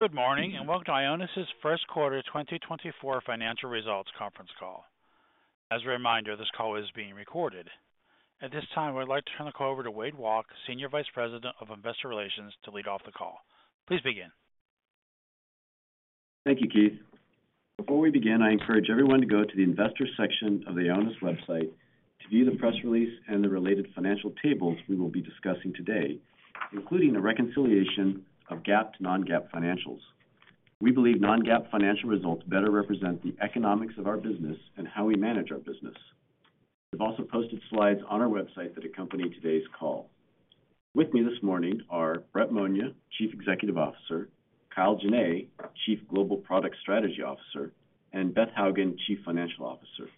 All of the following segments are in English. Good morning, and welcome to Ionis' first quarter 2024 financial results conference call. As a reminder, this call is being recorded. At this time, I'd like to turn the call over to Wade Walke, Senior Vice President of Investor Relations, to lead off the call. Please begin. Thank you, Keith. Before we begin, I encourage everyone to go to the investors section of the Ionis website to view the press release and the related financial tables we will be discussing today, including a reconciliation of GAAP to non-GAAP financials. We believe non-GAAP financial results better represent the economics of our business and how we manage our business. We've also posted slides on our website that accompany today's call. With me this morning are Brett Monia, Chief Executive Officer, Kyle Jenne, Chief Global Product Strategy Officer, and Beth Hougen, Chief Financial Officer.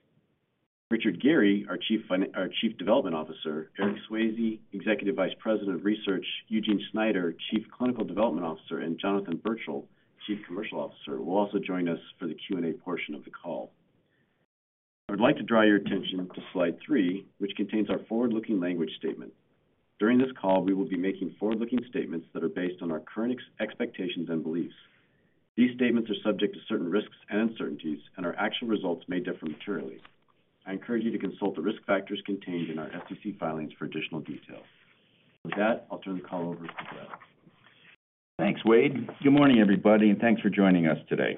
Richard Geary, our Chief Development Officer, Eric Swayze, Executive Vice President of Research, Eugene Schneider, Chief Clinical Development Officer, and Jonathan Birchall, Chief Commercial Officer, will also join us for the Q&A portion of the call. I would like to draw your attention to slide three, which contains our forward-looking language statement. During this call, we will be making forward-looking statements that are based on our current expectations and beliefs. These statements are subject to certain risks and uncertainties, and our actual results may differ materially. I encourage you to consult the risk factors contained in our SEC filings for additional details. With that, I'll turn the call over to Brett. Thanks, Wade. Good morning, everybody, and thanks for joining us today.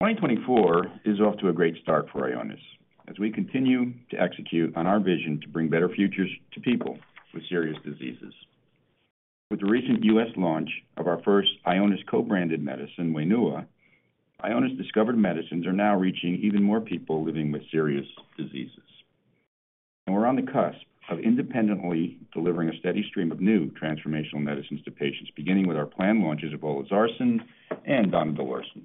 2024 is off to a great start for Ionis as we continue to execute on our vision to bring better futures to people with serious diseases. With the recent U.S. launch of our first Ionis co-branded medicine, WAINUA, Ionis-discovered medicines are now reaching even more people living with serious diseases. And we're on the cusp of independently delivering a steady stream of new transformational medicines to patients, beginning with our planned launches of olezarsen and donidalorsen.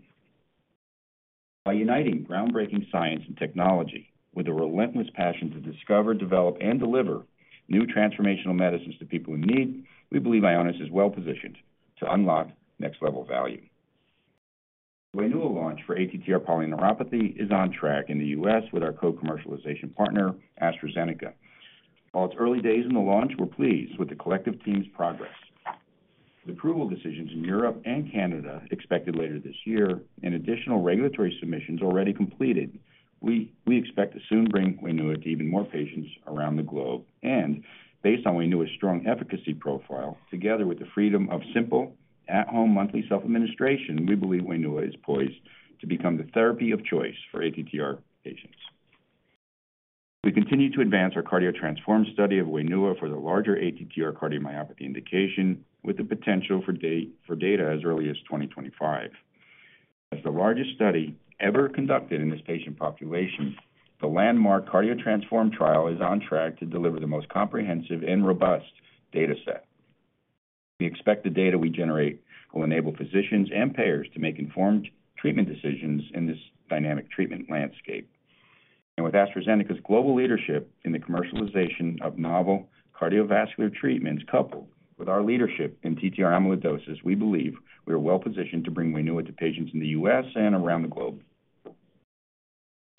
By uniting groundbreaking science and technology with a relentless passion to discover, develop, and deliver new transformational medicines to people in need, we believe Ionis is well-positioned to unlock next-level value. The WAINUA launch for ATTR polyneuropathy is on track in the U.S. with our co-commercialization partner, AstraZeneca. While it's early days in the launch, we're pleased with the collective team's progress. The approval decisions in Europe and Canada, expected later this year and additional regulatory submissions already completed, we expect to soon bring WAINUA to even more patients around the globe. Based on WAINUA's strong efficacy profile, together with the freedom of simple, at-home, monthly self-administration, we believe WAINUA is poised to become the therapy of choice for ATTR patients. We continue to advance our CARDIO-TTRansform study of WAINUA for the larger ATTR cardiomyopathy indication, with the potential for data as early as 2025. As the largest study ever conducted in this patient population, the landmark CARDIO-TTRansform trial is on track to deliver the most comprehensive and robust data set. We expect the data we generate will enable physicians and payers to make informed treatment decisions in this dynamic treatment landscape. With AstraZeneca's global leadership in the commercialization of novel cardiovascular treatments, coupled with our leadership in ATTR amyloidosis, we believe we are well-positioned to bring WAINUA to patients in the U.S. and around the globe.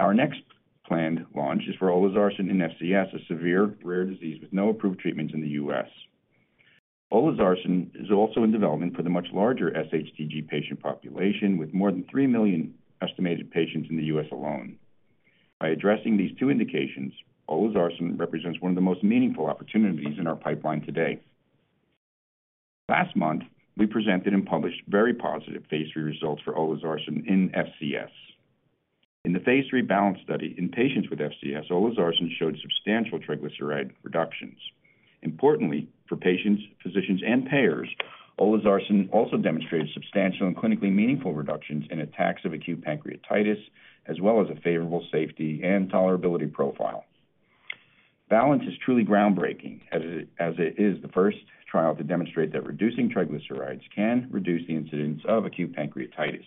Our next planned launch is for olezarsen in FCS, a severe rare disease with no approved treatments in the U.S. olezarsen is also in development for the much larger sHTG patient population, with more than 3 million estimated patients in the U.S. alone. By addressing these two indications, olezarsen represents one of the most meaningful opportunities in our pipeline today. Last month, we presented and published very positive phase III results for olezarsen in FCS. In the phase III Balance study in patients with FCS, olezarsen showed substantial triglyceride reductions. Importantly, for patients, physicians, and payers, olezarsen also demonstrated substantial and clinically meaningful reductions in attacks of acute pancreatitis, as well as a favorable safety and tolerability profile. Balance is truly groundbreaking, as it, as it is the first trial to demonstrate that reducing triglycerides can reduce the incidence of acute pancreatitis.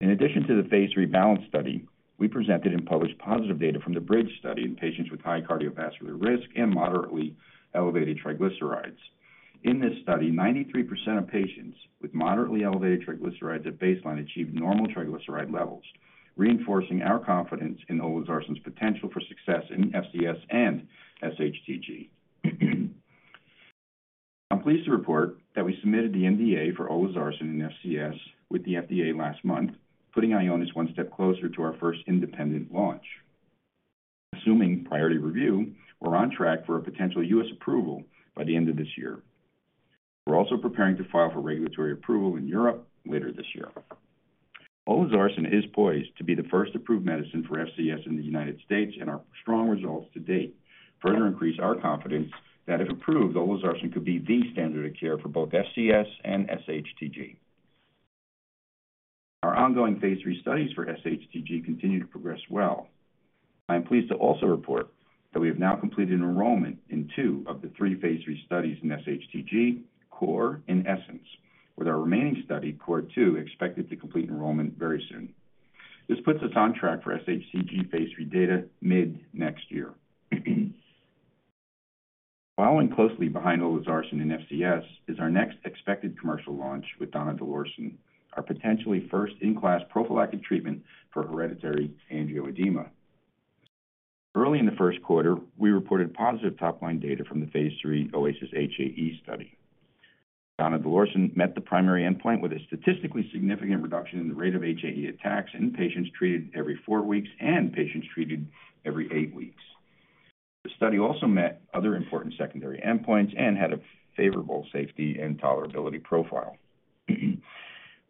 In addition to the phase III Balance study, we presented and published positive data from the Bridge study in patients with high cardiovascular risk and moderately elevated triglycerides. In this study, 93% of patients with moderately elevated triglycerides at baseline achieved normal triglyceride levels, reinforcing our confidence in olezarsen's potential for success in FCS and sHTG. I'm pleased to report that we submitted the NDA for olezarsen in FCS with the FDA last month, putting Ionis one step closer to our first independent launch. Assuming priority review, we're on track for a potential U.S. approval by the end of this year. We're also preparing to file for regulatory approval in Europe later this year. Olezarsen is poised to be the first approved medicine for FCS in the United States, and our strong results to date further increase our confidence that, if approved, olezarsen could be the standard of care for both FCS and sHTG. Our ongoing phase III studies for sHTG continue to progress well. I am pleased to also report that we have now completed enrollment in two of the three phase III studies in sHTG, CORE and ESSENCE, with our remaining study, CORE2, expected to complete enrollment very soon. This puts us on track for sHTG phase III data mid-next year. Following closely behind olezarsen in FCS is our next expected commercial launch with donidalorsen, our potentially first-in-class prophylactic treatment for hereditary angioedema. Early in the first quarter, we reported positive top-line data from the phase III OASIS-HAE study. Donidalorsen met the primary endpoint with a statistically significant reduction in the rate of HAE attacks in patients treated every four weeks and patients treated every eight weeks. The study also met other important secondary endpoints and had a favorable safety and tolerability profile.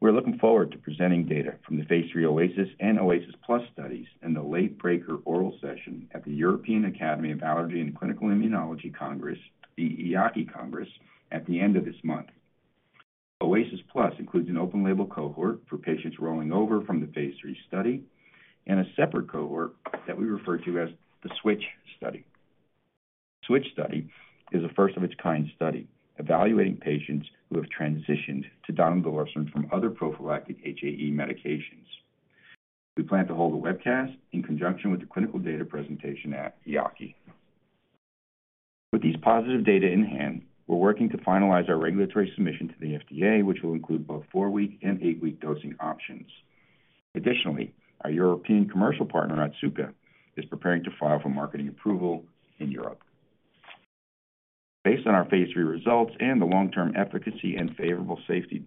We're looking forward to presenting data from the phase III OASIS and OASISplus studies in the late-breaker oral session at the European Academy of Allergy and Clinical Immunology Congress, the EAACI Congress, at the end of this month. OASISplus includes an open-label cohort for patients rolling over from the phase III study, and a separate cohort that we refer to as the switch study. Switch study is a first of its kind study, evaluating patients who have transitioned to donidalorsen from other prophylactic HAE medications. We plan to hold a webcast in conjunction with the clinical data presentation at EAACI. With these positive data in hand, we're working to finalize our regulatory submission to the FDA, which will include both four-week and eight-week dosing options. Additionally, our European commercial partner, Otsuka, is preparing to file for marketing approval in Europe. Based on our phase III results and the long-term efficacy and favorable safety,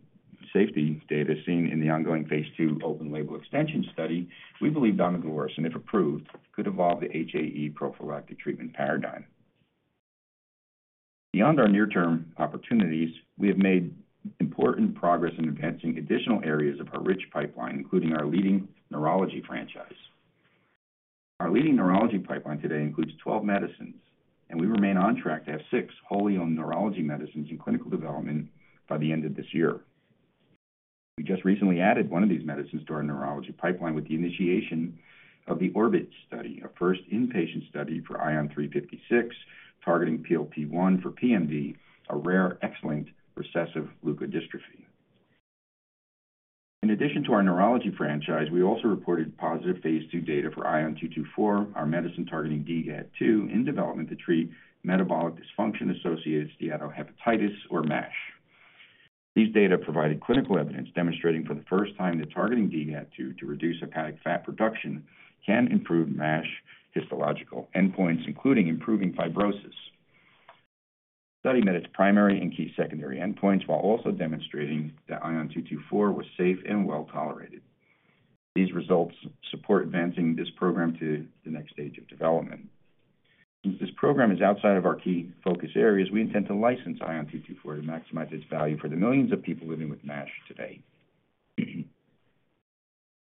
safety data seen in the ongoing phase II open-label extension study, we believe donidalorsen, if approved, could evolve the HAE prophylactic treatment paradigm. Beyond our near-term opportunities, we have made important progress in advancing additional areas of our rich pipeline, including our leading neurology franchise. Our leading neurology pipeline today includes 12 medicines, and we remain on track to have six wholly owned neurology medicines in clinical development by the end of this year. We just recently added one of these medicines to our neurology pipeline with the initiation of the Orbit study, our first inpatient study for ION356, targeting PLP1 for PMD, a rare X-linked recessive leukodystrophy. In addition to our neurology franchise, we also reported positive phase II data for ION224, our medicine targeting DGAT2, in development to treat metabolic dysfunction-associated steatohepatitis, or MASH. These data provided clinical evidence demonstrating for the first time that targeting DGAT2 to reduce hepatic fat production can improve MASH histological endpoints, including improving fibrosis. Study met its primary and key secondary endpoints, while also demonstrating that ION224 was safe and well tolerated. These results support advancing this program to the next stage of development. Since this program is outside of our key focus areas, we intend to license ION224 to maximize its value for the millions of people living with MASH today.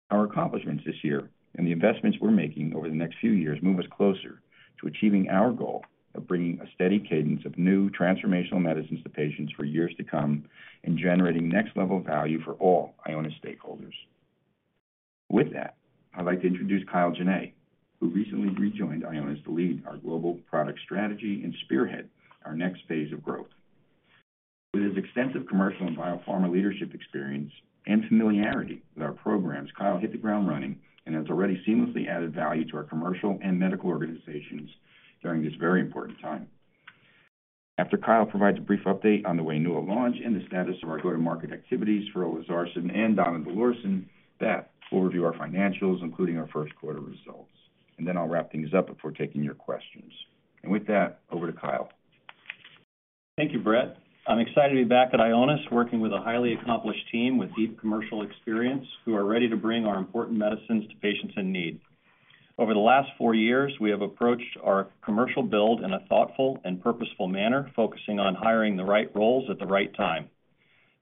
Our accomplishments this year and the investments we're making over the next few years move us closer to achieving our goal of bringing a steady cadence of new transformational medicines to patients for years to come, and generating next-level value for all Ionis stakeholders. With that, I'd like to introduce Kyle Jenne, who recently rejoined Ionis to lead our global product strategy and spearhead our next phase of growth. With his extensive commercial and biopharma leadership experience and familiarity with our programs, Kyle hit the ground running and has already seamlessly added value to our commercial and medical organizations during this very important time. After Kyle provides a brief update on the WAINUA launch and the status of our go-to-market activities for olezarsen and donidalorsen, Beth will review our financials, including our first quarter results, and then I'll wrap things up before taking your questions. And with that, over to Kyle. Thank you, Brett. I'm excited to be back at Ionis, working with a highly accomplished team with deep commercial experience, who are ready to bring our important medicines to patients in need. Over the last four years, we have approached our commercial build in a thoughtful and purposeful manner, focusing on hiring the right roles at the right time.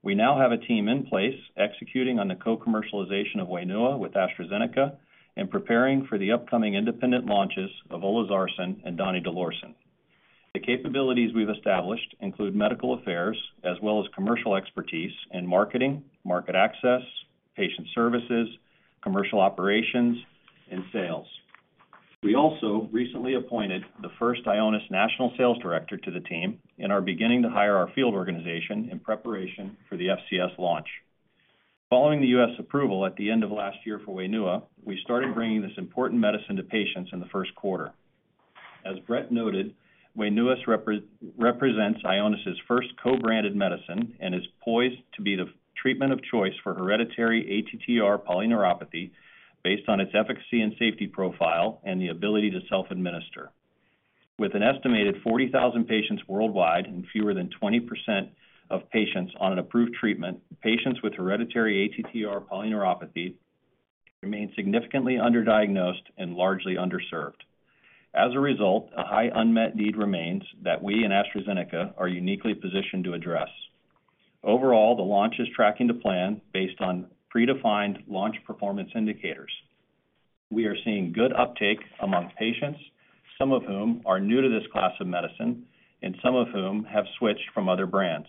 We now have a team in place executing on the co-commercialization of WAINUA with AstraZeneca and preparing for the upcoming independent launches of olezarsen and donidalorsen. The capabilities we've established include medical affairs as well as commercial expertise in marketing, market access, patient services, commercial operations, and sales. We also recently appointed the first Ionis national sales director to the team and are beginning to hire our field organization in preparation for the FCS launch. Following the U.S. approval at the end of last year for WAINUA, we started bringing this important medicine to patients in the first quarter. As Brett noted, WAINUA represents Ionis' first co-branded medicine and is poised to be the treatment of choice for hereditary ATTR polyneuropathy, based on its efficacy and safety profile and the ability to self-administer. With an estimated 40,000 patients worldwide and fewer than 20% of patients on an approved treatment, patients with hereditary ATTR polyneuropathy remain significantly underdiagnosed and largely underserved. As a result, a high unmet need remains that we and AstraZeneca are uniquely positioned to address. Overall, the launch is tracking to plan based on predefined launch performance indicators. We are seeing good uptake among patients, some of whom are new to this class of medicine and some of whom have switched from other brands.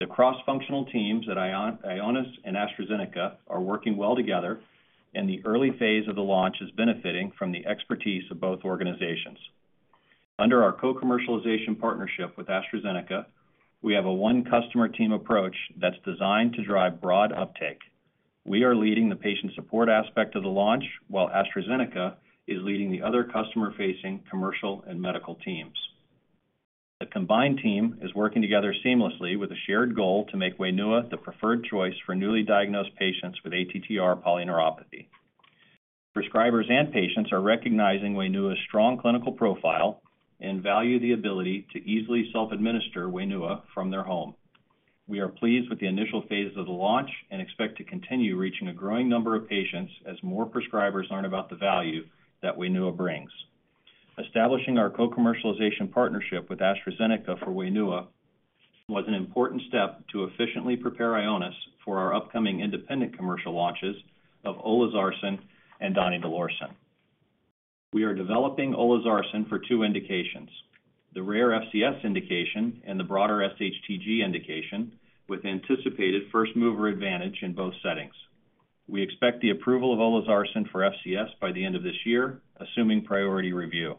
The cross-functional teams at Ionis and AstraZeneca are working well together, and the early phase of the launch is benefiting from the expertise of both organizations. Under our co-commercialization partnership with AstraZeneca, we have a one-customer team approach that's designed to drive broad uptake. We are leading the patient support aspect of the launch, while AstraZeneca is leading the other customer-facing commercial and medical teams. The combined team is working together seamlessly with a shared goal to make WAINUA the preferred choice for newly diagnosed patients with ATTR polyneuropathy. Prescribers and patients are recognizing WAINUA's strong clinical profile and value the ability to easily self-administer WAINUA from their home. We are pleased with the initial phase of the launch and expect to continue reaching a growing number of patients as more prescribers learn about the value that WAINUA brings. Establishing our co-commercialization partnership with AstraZeneca for WAINUA was an important step to efficiently prepare Ionis for our upcoming independent commercial launches of olezarsen and donidalorsen. We are developing olezarsen for two indications: the rare FCS indication and the broader sHTG indication, with anticipated first-mover advantage in both settings. We expect the approval of olezarsen for FCS by the end of this year, assuming priority review.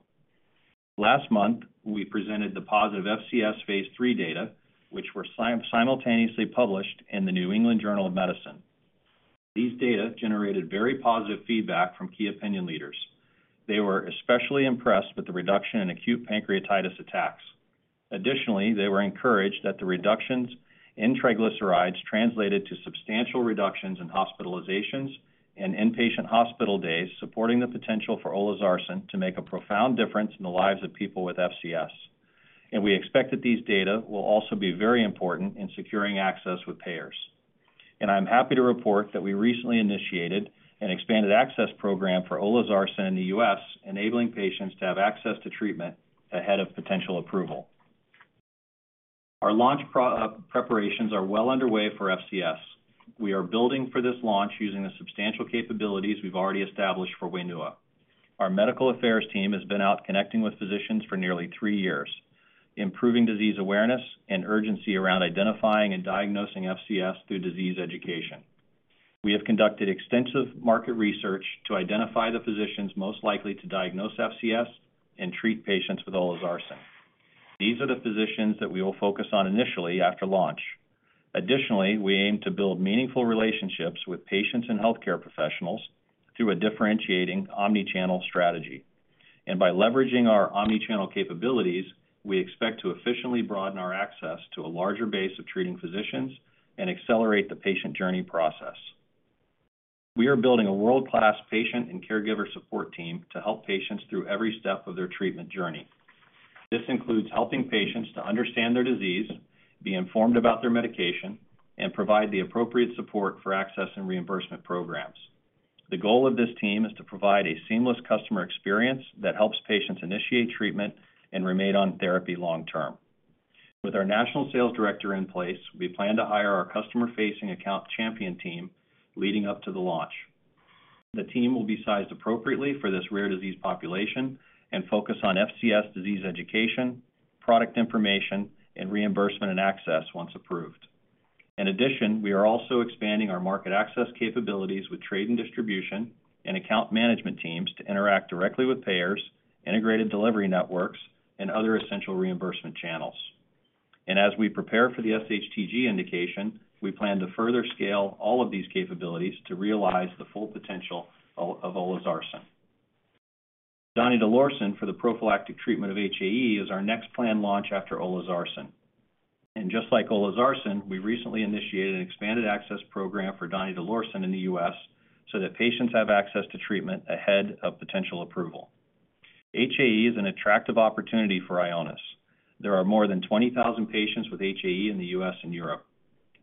Last month, we presented the positive FCS phase III data, which were simultaneously published in The New England Journal of Medicine. These data generated very positive feedback from key opinion leaders. They were especially impressed with the reduction in acute pancreatitis attacks. Additionally, they were encouraged that the reductions in triglycerides translated to substantial reductions in hospitalizations and inpatient hospital days, supporting the potential for olezarsen to make a profound difference in the lives of people with FCS. We expect that these data will also be very important in securing access with payers. I'm happy to report that we recently initiated an Expanded Access Program for olezarsen in the U.S., enabling patients to have access to treatment ahead of potential approval. Our launch preparations are well underway for FCS. We are building for this launch using the substantial capabilities we've already established for WAINUA. Our medical affairs team has been out connecting with physicians for nearly three years, improving disease awareness and urgency around identifying and diagnosing FCS through disease education. We have conducted extensive market research to identify the physicians most likely to diagnose FCS and treat patients with olezarsen. These are the physicians that we will focus on initially after launch. Additionally, we aim to build meaningful relationships with patients and healthcare professionals through a differentiating omni-channel strategy. By leveraging our omni-channel capabilities, we expect to efficiently broaden our access to a larger base of treating physicians and accelerate the patient journey process. We are building a world-class patient and caregiver support team to help patients through every step of their treatment journey. This includes helping patients to understand their disease, be informed about their medication, and provide the appropriate support for access and reimbursement programs. The goal of this team is to provide a seamless customer experience that helps patients initiate treatment and remain on therapy long term. With our national sales director in place, we plan to hire our customer-facing account champion team leading up to the launch. The team will be sized appropriately for this rare disease population and focus on FCS disease education, product information, and reimbursement and access once approved. In addition, we are also expanding our market access capabilities with trade and distribution and account management teams to interact directly with payers, integrated delivery networks, and other essential reimbursement channels. As we prepare for the sHTG indication, we plan to further scale all of these capabilities to realize the full potential of olezarsen. Donidalorsen for the prophylactic treatment of HAE is our next planned launch after olezarsen. Just like olezarsen, we recently initiated an Expanded Access Program for donidalorsen in the U.S., so that patients have access to treatment ahead of potential approval. HAE is an attractive opportunity for Ionis. There are more than 20,000 patients with HAE in the U.S. and Europe.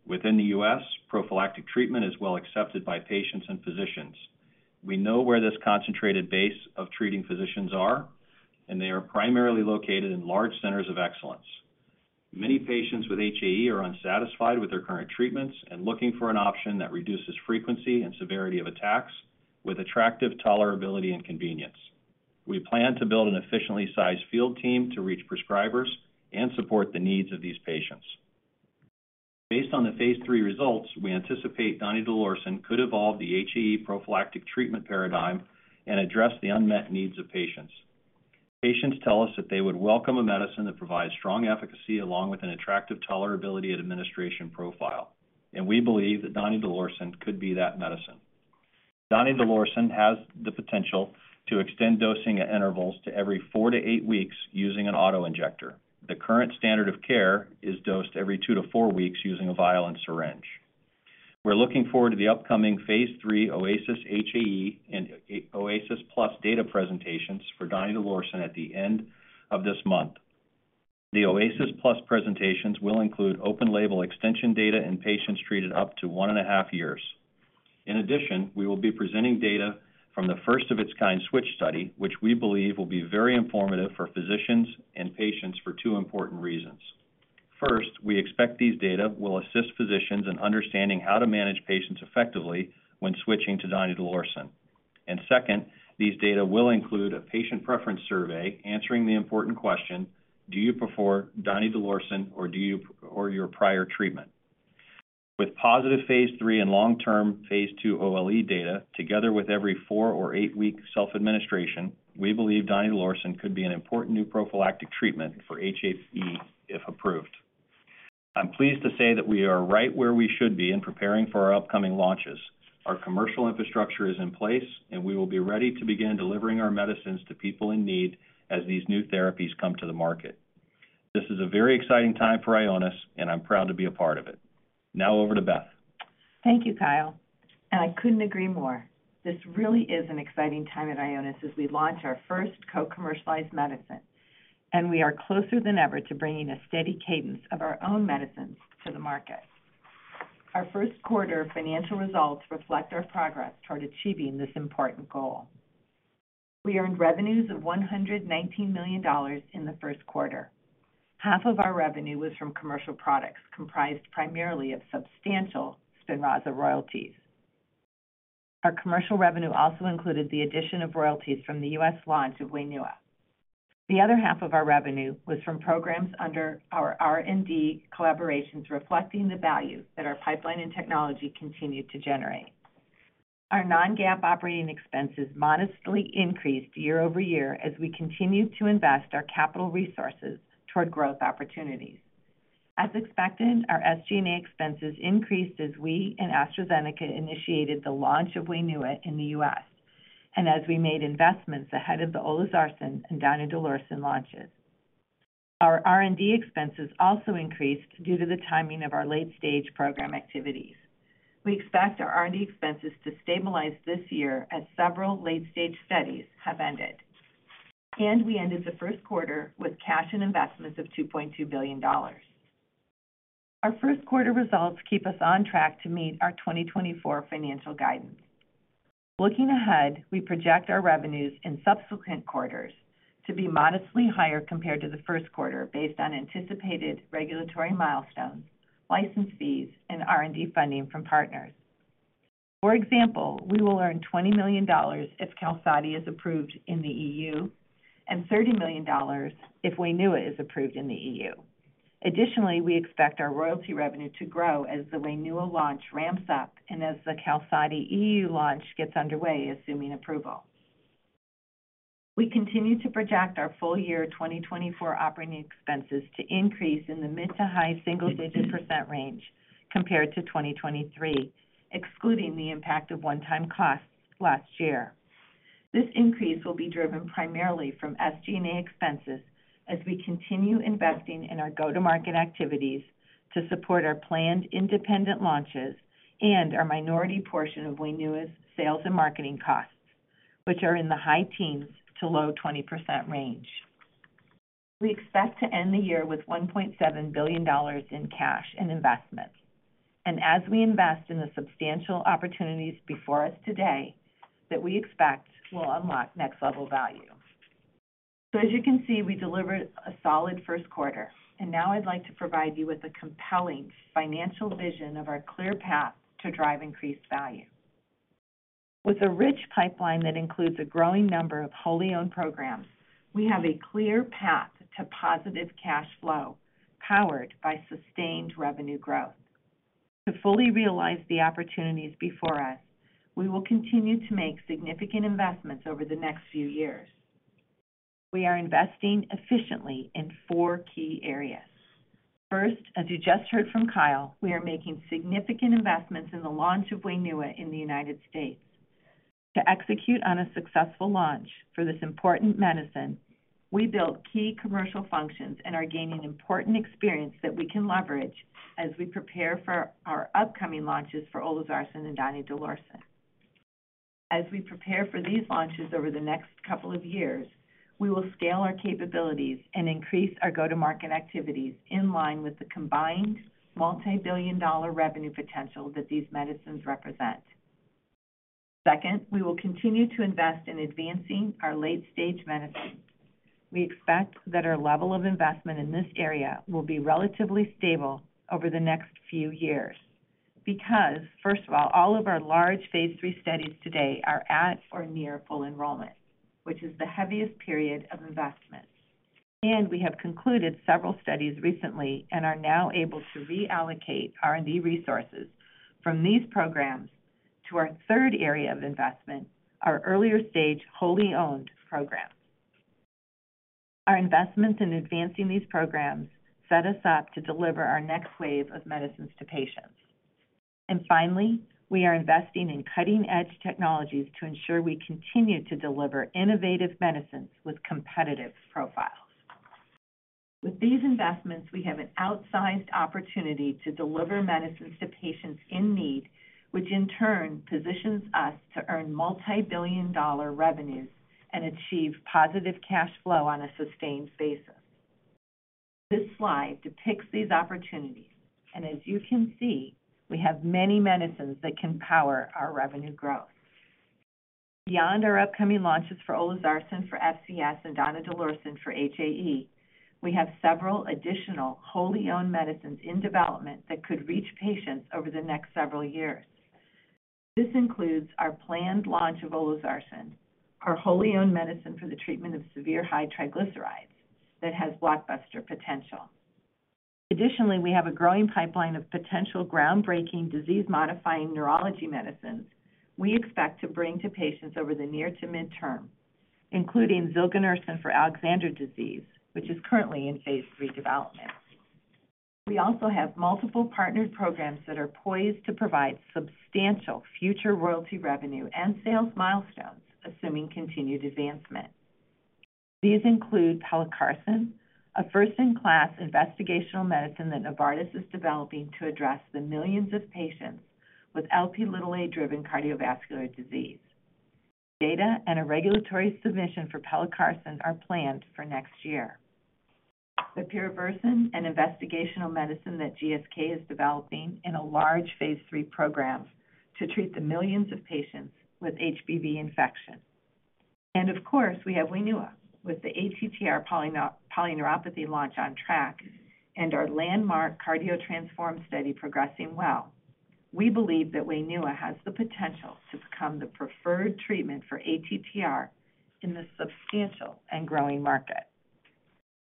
Within the U.S., prophylactic treatment is well accepted by patients and physicians. We know where this concentrated base of treating physicians are, and they are primarily located in large centers of excellence. Many patients with HAE are unsatisfied with their current treatments and looking for an option that reduces frequency and severity of attacks with attractive tolerability and convenience. We plan to build an efficiently sized field team to reach prescribers and support the needs of these patients. Based on the phase III results, we anticipate donidalorsen could evolve the HAE prophylactic treatment paradigm and address the unmet needs of patients. Patients tell us that they would welcome a medicine that provides strong efficacy along with an attractive tolerability and administration profile, and we believe that donidalorsen could be that medicine. Donidalorsen has the potential to extend dosing at intervals to every four to eight weeks using an auto-injector. The current standard of care is dosed every two to four weeks using a vial and syringe. We're looking forward to the upcoming phase III OASIS-HAE and OASISplus data presentations for donidalorsen at the end of this month. The OASISplus presentations will include open-label extension data in patients treated up to 1.5 years. In addition, we will be presenting data from the first-of-its-kind switch study, which we believe will be very informative for physicians and patients for two important reasons. First, we expect these data will assist physicians in understanding how to manage patients effectively when switching to donidalorsen. Second, these data will include a patient preference survey answering the important question: Do you prefer donidalorsen or your prior treatment? With positive phase III and long-term phase II OLE data, together with every four or eight week self-administration, we believe donidalorsen could be an important new prophylactic treatment for HAE, if approved. I'm pleased to say that we are right where we should be in preparing for our upcoming launches. Our commercial infrastructure is in place, and we will be ready to begin delivering our medicines to people in need as these new therapies come to the market. This is a very exciting time for Ionis, and I'm proud to be a part of it. Now over to Beth. Thank you, Kyle, and I couldn't agree more. This really is an exciting time at Ionis as we launch our first co-commercialized medicine, and we are closer than ever to bringing a steady cadence of our own medicines to the market. Our first quarter financial results reflect our progress toward achieving this important goal. We earned revenues of $119 million in the first quarter. Half of our revenue was from commercial products, comprised primarily of substantial SPINRAZA royalties. Our commercial revenue also included the addition of royalties from the U.S. launch of WAINUA. The other half of our revenue was from programs under our R&D collaborations, reflecting the value that our pipeline and technology continue to generate. Our non-GAAP operating expenses modestly increased year-over-year as we continued to invest our capital resources toward growth opportunities. As expected, our SG&A expenses increased as we and AstraZeneca initiated the launch of WAINUA in the U.S. and as we made investments ahead of the olezarsen and donidalorsen launches. Our R&D expenses also increased due to the timing of our late-stage program activities. We expect our R&D expenses to stabilize this year as several late-stage studies have ended, and we ended the first quarter with cash and investments of $2.2 billion. Our first quarter results keep us on track to meet our 2024 financial guidance. Looking ahead, we project our revenues in subsequent quarters to be modestly higher compared to the first quarter, based on anticipated regulatory milestones, license fees, and R&D funding from partners. For example, we will earn $20 million if QALSODY is approved in the EU and $30 million if WAINUA is approved in the EU. Additionally, we expect our royalty revenue to grow as the WAINUA launch ramps up and as the QALSODY EU launch gets underway, assuming approval. We continue to project our full-year 2024 operating expenses to increase in the mid to high single-digit percent range compared to 2023, excluding the impact of one-time costs last year. This increase will be driven primarily from SG&A expenses as we continue investing in our go-to-market activities to support our planned independent launches and our minority portion of WAINUA's sales and marketing costs, which are in the high teens to low 20% range. We expect to end the year with $1.7 billion in cash and investments, and as we invest in the substantial opportunities before us today that we expect will unlock next-level value. So as you can see, we delivered a solid first quarter, and now I'd like to provide you with a compelling financial vision of our clear path to drive increased value. With a rich pipeline that includes a growing number of wholly owned programs, we have a clear path to positive cash flow, powered by sustained revenue growth. To fully realize the opportunities before us, we will continue to make significant investments over the next few years. We are investing efficiently in four key areas. First, as you just heard from Kyle, we are making significant investments in the launch of WAINUA in the United States. To execute on a successful launch for this important medicine, we built key commercial functions and are gaining important experience that we can leverage as we prepare for our upcoming launches for olezarsen and donidalorsen. As we prepare for these launches over the next couple of years, we will scale our capabilities and increase our go-to-market activities in line with the combined multibillion-dollar revenue potential that these medicines represent. Second, we will continue to invest in advancing our late-stage medicines. We expect that our level of investment in this area will be relatively stable over the next few years because, first of all, all of our large phase III studies today are at or near full enrollment, which is the heaviest period of investment. We have concluded several studies recently and are now able to reallocate R&D resources from these programs to our third area of investment, our earlier-stage, wholly owned programs. Our investments in advancing these programs set us up to deliver our next wave of medicines to patients. And finally, we are investing in cutting-edge technologies to ensure we continue to deliver innovative medicines with competitive profiles. With these investments, we have an outsized opportunity to deliver medicines to patients in need, which in turn positions us to earn multibillion-dollar revenues and achieve positive cash flow on a sustained basis. This slide depicts these opportunities, and as you can see, we have many medicines that can power our revenue growth. Beyond our upcoming launches for olezarsen for FCS and donidalorsen for HAE, we have several additional wholly owned medicines in development that could reach patients over the next several years. This includes our planned launch of olezarsen, our wholly owned medicine for the treatment of severe hypertriglyceridemia that has blockbuster potential. Additionally, we have a growing pipeline of potential groundbreaking disease-modifying neurology medicines we expect to bring to patients over the near to midterm. Including zorevunersen for Alexander disease, which is currently in phase III development. We also have multiple partnered programs that are poised to provide substantial future royalty revenue and sales milestones, assuming continued advancement. These include pelacarsen, a first-in-class investigational medicine that Novartis is developing to address the millions of patients with Lp(a)-driven cardiovascular disease. Data and a regulatory submission for pelacarsen are planned for next year. Bepirovirsen, an investigational medicine that GSK is developing in a large phase III program to treat the millions of patients with HBV infection. And of course, we have WAINUA, with the ATTR polyneuropathy launch on track and our landmark CARDIO-TTRansform study progressing well. We believe that WAINUA has the potential to become the preferred treatment for ATTR in this substantial and growing market.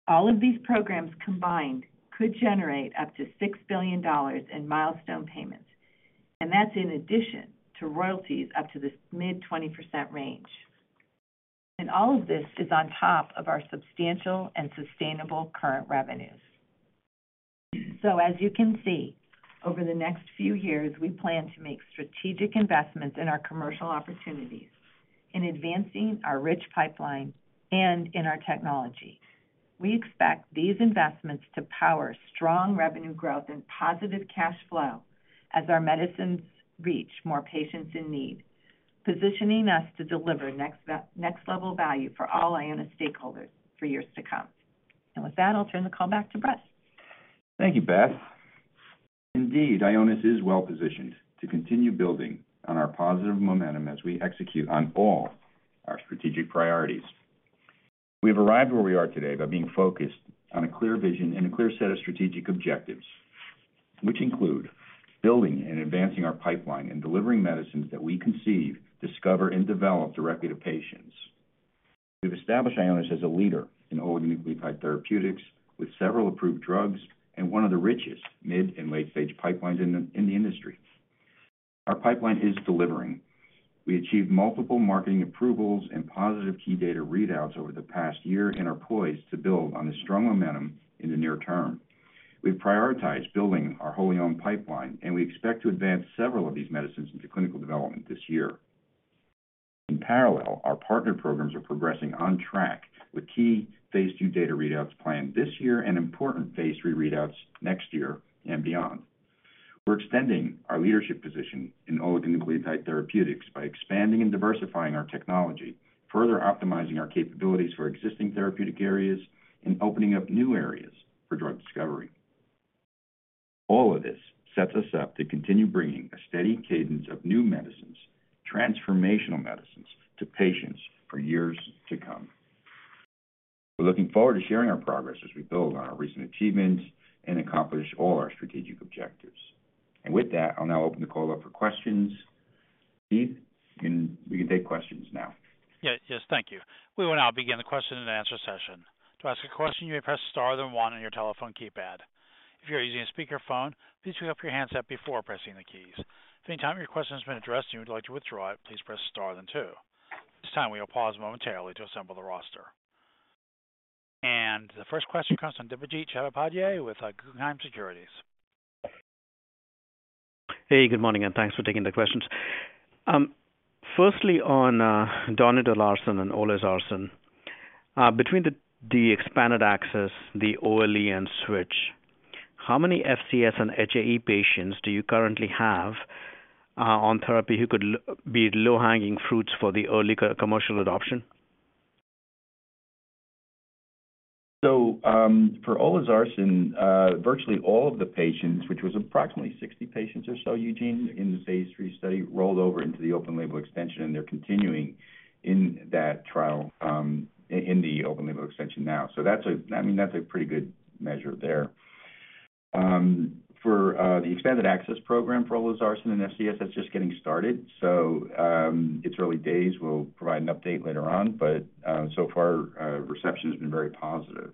All of these programs combined could generate up to $6 billion in milestone payments, and that's in addition to royalties up to the mid-20% range. And all of this is on top of our substantial and sustainable current revenues. So as you can see, over the next few years, we plan to make strategic investments in our commercial opportunities, in advancing our rich pipeline and in our technology. We expect these investments to power strong revenue growth and positive cash flow as our medicines reach more patients in need, positioning us to deliver next-level value for all Ionis stakeholders for years to come. And with that, I'll turn the call back to Brett. Thank you, Beth. Indeed, Ionis is well-positioned to continue building on our positive momentum as we execute on all our strategic priorities. We've arrived where we are today by being focused on a clear vision and a clear set of strategic objectives, which include building and advancing our pipeline and delivering medicines that we conceive, discover, and develop directly to patients. We've established Ionis as a leader in oligonucleotide therapeutics, with several approved drugs and one of the richest mid and late-stage pipelines in the industry. Our pipeline is delivering. We achieved multiple marketing approvals and positive key data readouts over the past year and are poised to build on the strong momentum in the near term. We've prioritized building our wholly owned pipeline, and we expect to advance several of these medicines into clinical development this year. In parallel, our partner programs are progressing on track with key phase II data readouts planned this year and important phase III readouts next year and beyond. We're extending our leadership position in oligonucleotide therapeutics by expanding and diversifying our technology, further optimizing our capabilities for existing therapeutic areas and opening up new areas for drug discovery. All of this sets us up to continue bringing a steady cadence of new medicines, transformational medicines, to patients for years to come. We're looking forward to sharing our progress as we build on our recent achievements and accomplish all our strategic objectives. And with that, I'll now open the call up for questions. Keith, we can take questions now. Yes. Yes, thank you. We will now begin the question-and-answer session. To ask a question, you may press star, then one on your telephone keypad. If you're using a speakerphone, please pick up your handset before pressing the keys. If at any time your question has been addressed and you would like to withdraw it, please press star then two. This time, we will pause momentarily to assemble the roster. The first question comes from Debjit Chattopadhyay with Guggenheim Securities. Hey, good morning, and thanks for taking the questions. Firstly, on donidalorsen and olezarsen, between the Expanded Access, the OLE and switch, how many FCS and HAE patients do you currently have on therapy who could be low-hanging fruits for the early commercial adoption? For olezarsen, virtually all of the patients, which was approximately 60 patients or so, Eugene, in the phase III study, rolled over into the open-label extension, and they're continuing in that trial, in the open-label extension now. That's, I mean, that's a pretty good measure there. For the Expanded Access Program for olezarsen and FCS, that's just getting started. It's early days. We'll provide an update later on, but so far, reception has been very positive.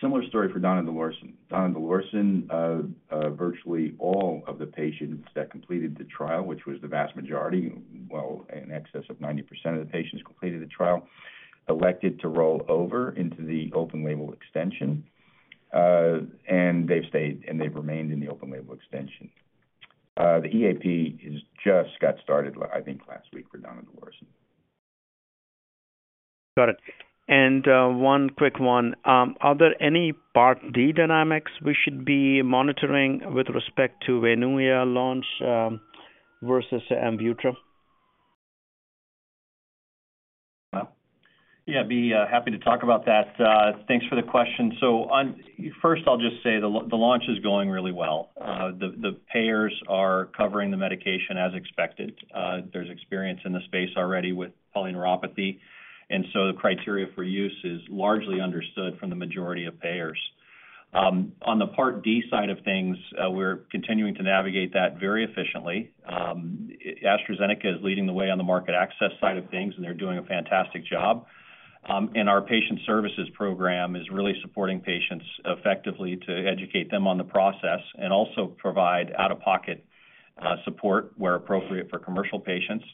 Similar story for donidalorsen. Donidalorsen, virtually all of the patients that completed the trial, which was the vast majority, well, in excess of 90% of the patients completed the trial, elected to roll over into the open-label extension, and they've stayed, and they've remained in the open-label extension. The EAP is just got started, I think, last week for donidalorsen. Got it. And one quick one. Are there any Part D dynamics we should be monitoring with respect to WAINUA launch versus AMVUTTRA? Well, yeah, I'd be happy to talk about that. Thanks for the question. So first, I'll just say the launch is going really well. The payers are covering the medication as expected. There's experience in the space already with polyneuropathy, and so the criteria for use is largely understood from the majority of payers. On the Part D side of things, we're continuing to navigate that very efficiently. AstraZeneca is leading the way on the market access side of things, and they're doing a fantastic job. And our patient services program is really supporting patients effectively to educate them on the process and also provide out-of-pocket support where appropriate for commercial patients,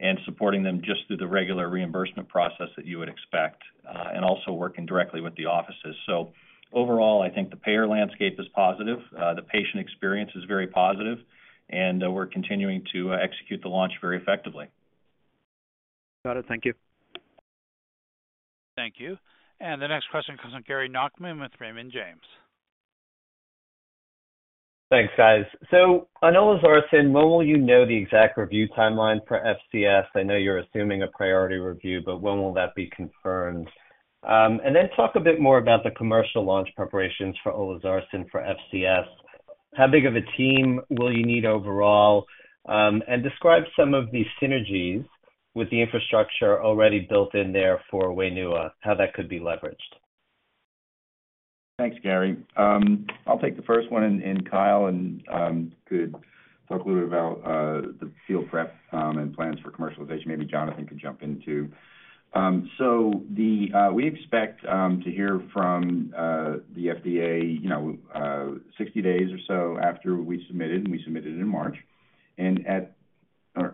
and supporting them just through the regular reimbursement process that you would expect, and also working directly with the offices. So overall, I think the payer landscape is positive, the patient experience is very positive, and we're continuing to execute the launch very effectively. Got it. Thank you. Thank you. The next question comes from Gary Nachman with Raymond James. Thanks, guys. So on olezarsen, when will you know the exact review timeline for FCS? I know you're assuming a priority review, but when will that be confirmed? And then talk a bit more about the commercial launch preparations for olezarsen for FCS. How big of a team will you need overall? And describe some of the synergies with the infrastructure already built in there for WAINUA, how that could be leveraged. Thanks, Gary. I'll take the first one, and Kyle could talk a little about the field prep and plans for commercialization. Maybe Jonathan could jump in, too. So we expect to hear from the FDA, you know, 60 days or so after we submitted, and we submitted in March,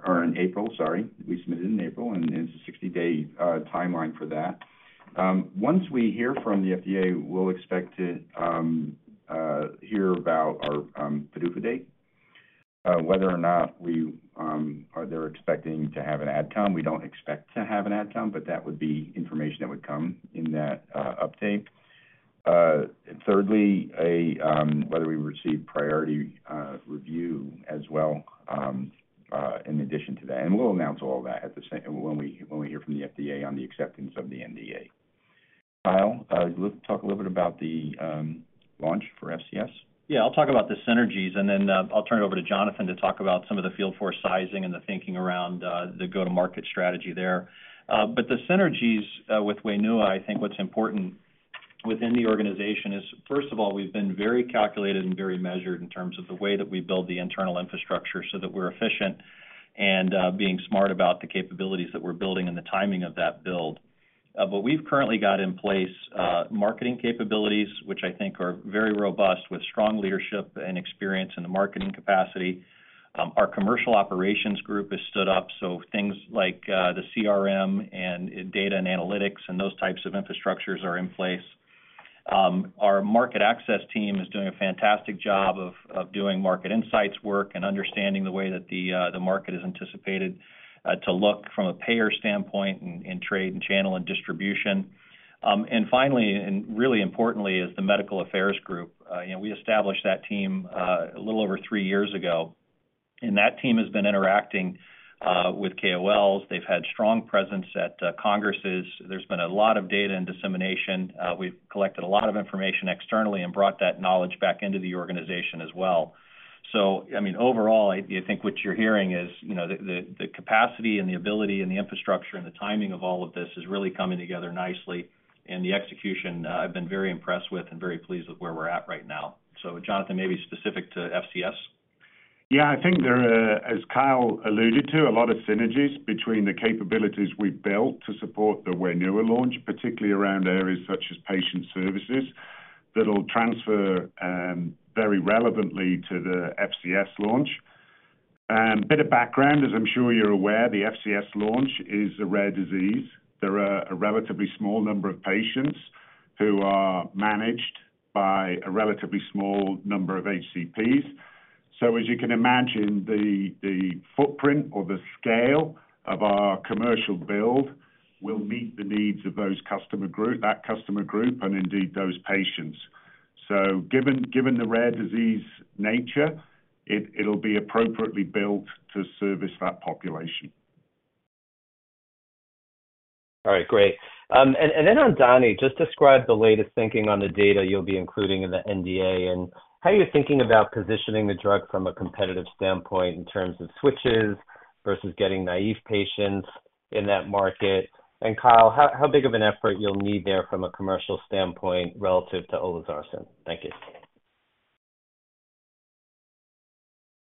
or in April, sorry. We submitted in April, and it's a 60-day timeline for that. Once we hear from the FDA, we'll expect to hear about our PDUFA date, whether or not they're expecting to have an Ad Comm. We don't expect to have an Ad Comm, but that would be information that would come in that update. And thirdly, whether we receive priority review as well in addition to that. We'll announce all that at the same, when we hear from the FDA on the acceptance of the NDA. Kyle, talk a little bit about the launch for FCS. Yeah, I'll talk about the synergies, and then I'll turn it over to Jonathan to talk about some of the field force sizing and the thinking around the go-to-market strategy there. But the synergies with WAINUA, I think what's important within the organization is, first of all, we've been very calculated and very measured in terms of the way that we build the internal infrastructure so that we're efficient and being smart about the capabilities that we're building and the timing of that build. But we've currently got in place marketing capabilities, which I think are very robust, with strong leadership and experience in the marketing capacity. Our commercial operations group is stood up, so things like the CRM and data and analytics and those types of infrastructures are in place. Our market access team is doing a fantastic job of doing market insights work and understanding the way that the market is anticipated to look from a payer standpoint and trade and channel and distribution. And finally, and really importantly, is the medical affairs group. You know, we established that team a little over three years ago, and that team has been interacting with KOLs. They've had strong presence at congresses. There's been a lot of data and dissemination. We've collected a lot of information externally and brought that knowledge back into the organization as well. So, I mean, overall, I think what you're hearing is, you know, the capacity and the ability and the infrastructure and the timing of all of this is really coming together nicely, and the execution, I've been very impressed with and very pleased with where we're at right now. So Jonathan, maybe specific to FCS? Yeah, I think there are, as Kyle alluded to, a lot of synergies between the capabilities we've built to support the WAINUA launch, particularly around areas such as patient services, that will transfer very relevantly to the FCS launch. And a bit of background, as I'm sure you're aware, the FCS launch is a rare disease. There are a relatively small number of patients who are managed by a relatively small number of HCPs. So as you can imagine, the footprint or the scale of our commercial build will meet the needs of those customer group, that customer group, and indeed, those patients. So given the rare disease nature, it'll be appropriately built to service that population. All right, great. And then on donidalorsen, just describe the latest thinking on the data you'll be including in the NDA, and how are you thinking about positioning the drug from a competitive standpoint in terms of switches versus getting naive patients in that market? And Kyle, how big of an effort you'll need there from a commercial standpoint relative to olezarsen? Thank you.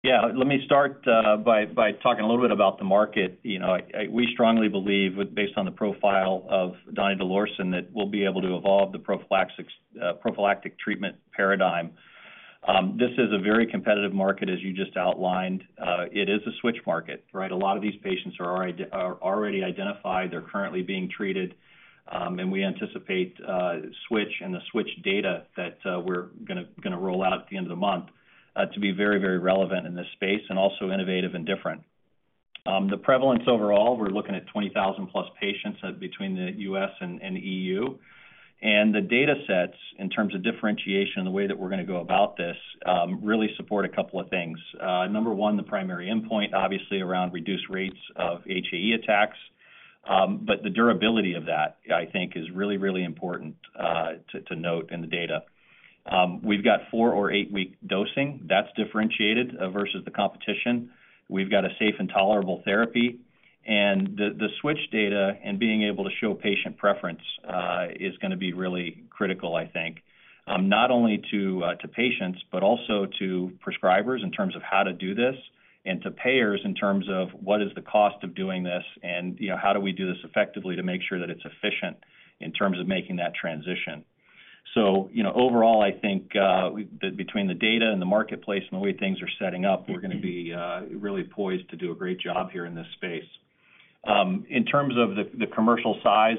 Yeah, let me start by talking a little bit about the market. You know, I, we strongly believe, based on the profile of donidalorsen, that we'll be able to evolve the prophylactics, prophylactic treatment paradigm. This is a very competitive market, as you just outlined. It is a switch market, right? A lot of these patients are already identified, they're currently being treated, and we anticipate switch and the switch data that we're gonna roll out at the end of the month to be very relevant in this space, and also innovative and different. The prevalence overall, we're looking at 20,000+ patients between the U.S. and EU. And the data sets, in terms of differentiation and the way that we're gonna go about this, really support a couple of things. Number one, the primary endpoint, obviously, around reduced rates of HAE attacks, but the durability of that, I think, is really, really important, to note in the data. We've got four or eight-week dosing. That's differentiated versus the competition. We've got a safe and tolerable therapy, and the switch data and being able to show patient preference is gonna be really critical, I think, not only to patients, but also to prescribers in terms of how to do this, and to payers in terms of what is the cost of doing this, and, you know, how do we do this effectively to make sure that it's efficient in terms of making that transition? So, you know, overall, I think, between the data and the marketplace and the way things are setting up, we're gonna be, really poised to do a great job here in this space. In terms of the commercial size,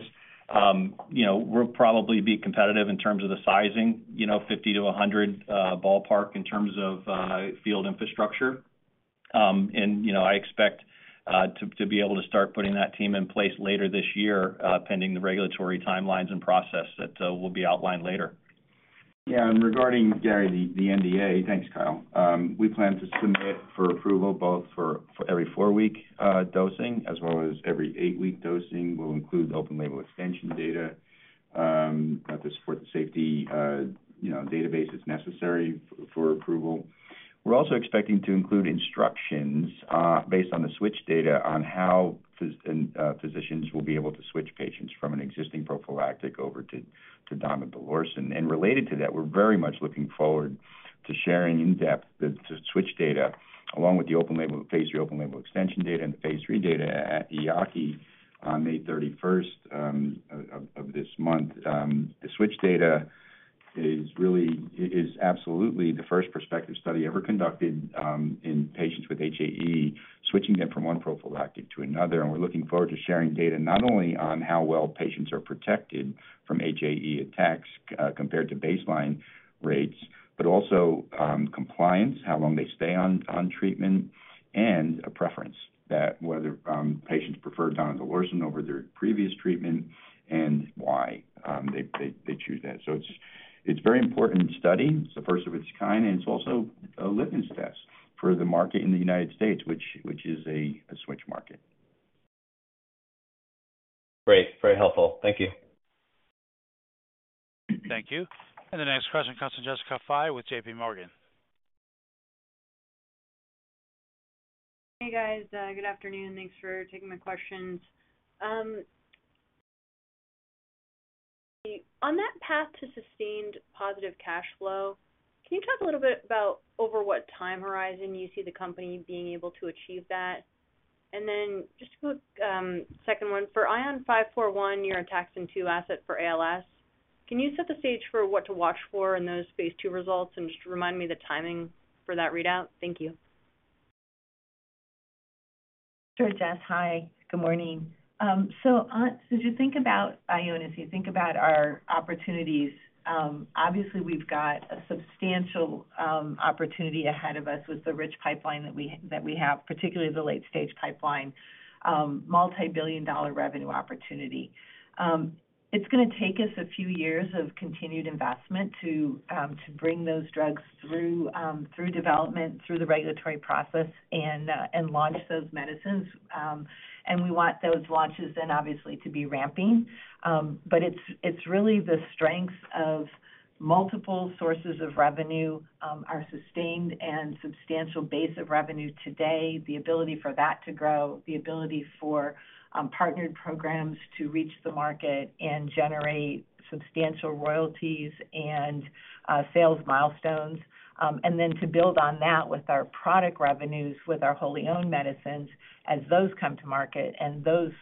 you know, we'll probably be competitive in terms of the sizing, you know, 50-100 ballpark in terms of field infrastructure. And, you know, I expect to be able to start putting that team in place later this year, pending the regulatory timelines and process that will be outlined later. Yeah, and regarding Gary, the NDA, thanks, Kyle. We plan to submit for approval, both for every four-week dosing as well as every eight-week dosing. We'll include open-label extension data to support the safety, you know, databases necessary for approval. We're also expecting to include instructions based on the switch data on how physicians will be able to switch patients from an existing prophylactic over to donidalorsen. And related to that, we're very much looking forward to sharing in-depth the switch data, along with the open-label phase III open-label extension data and the phase III data at EAACI on May 31st of this month. The switch data is really, is absolutely the first prospective study ever conducted in patients with HAE, switching them from one prophylactic to another. We're looking forward to sharing data not only on how well patients are protected from HAE attacks, compared to baseline rates, but also compliance, how long they stay on treatment, and a preference that whether patients prefer donidalorsen over their previous treatment and why they choose that. It's very important study. It's the first of its kind, and it's also a litmus test for the market in the United States, which is a switch market. Great. Very helpful. Thank you. Thank you. The next question comes from Jessica Fye with JPMorgan. Hey, guys, good afternoon. Thanks for taking my questions. On that path to sustained positive cash flow, can you talk a little bit about over what time horizon you see the company being able to achieve that? And then just a quick second one. For ION541, your ATXN2 asset for ALS, can you set the stage for what to watch for in those phase II results? And just remind me the timing for that readout. Thank you. Sure, Jess. Hi, good morning. So as you think about Ionis, as you think about our opportunities, obviously, we've got a substantial opportunity ahead of us with the rich pipeline that we have, particularly the late-stage pipeline, multibillion-dollar revenue opportunity. It's gonna take us a few years of continued investment to bring those drugs through development, through the regulatory process and launch those medicines. And we want those launches then obviously to be ramping. But it's really the strength of multiple sources of revenue, our sustained and substantial base of revenue today, the ability for that to grow, the ability for partnered programs to reach the market and generate substantial royalties and sales milestones. And then to build on that with our product revenues, with our wholly owned medicines as those come to market and those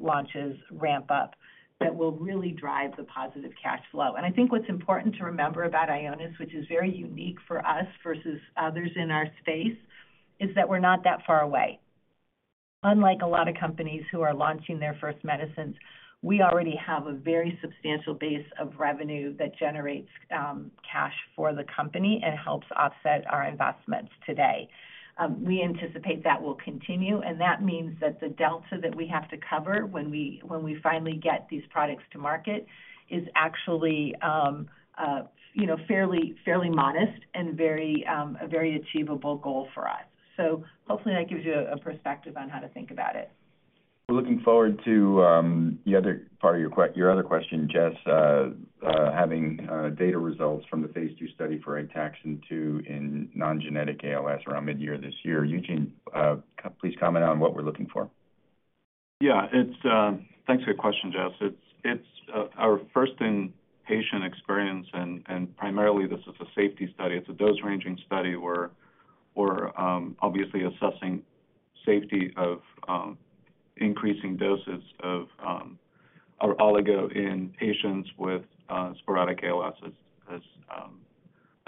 launches ramp up, that will really drive the positive cash flow. And I think what's important to remember about Ionis, which is very unique for us versus others in our space, is that we're not that far away. Unlike a lot of companies who are launching their first medicines, we already have a very substantial base of revenue that generates cash for the company and helps offset our investments today. We anticipate that will continue, and that means that the delta that we have to cover when we, when we finally get these products to market is actually, you know, fairly, fairly modest and very, a very achievable goal for us. Hopefully that gives you a perspective on how to think about it. We're looking forward to the other part of your other question, Jess, having data results from the phase II study for ATXN2 in non-genetic ALS around midyear this year. Eugene, please comment on what we're looking for. Yeah, it's. Thanks for the question, Jess. It's our first inpatient experience, and primarily this is a safety study. It's a dose-ranging study where we're obviously assessing safety of increasing doses of our oligo in patients with sporadic ALS,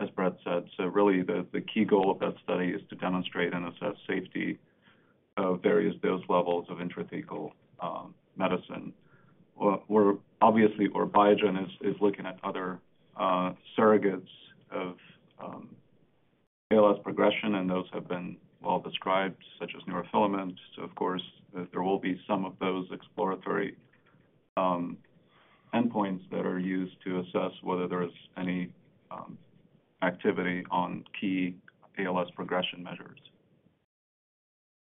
as Brett said. So really, the key goal of that study is to demonstrate and assess safety of various dose levels of intrathecal medicine. We're obviously, or Biogen is, looking at other surrogates of ALS progression, and those have been well described, such as neurofilaments. So of course, there will be some of those exploratory endpoints that are used to assess whether there is any activity on key ALS progression measures.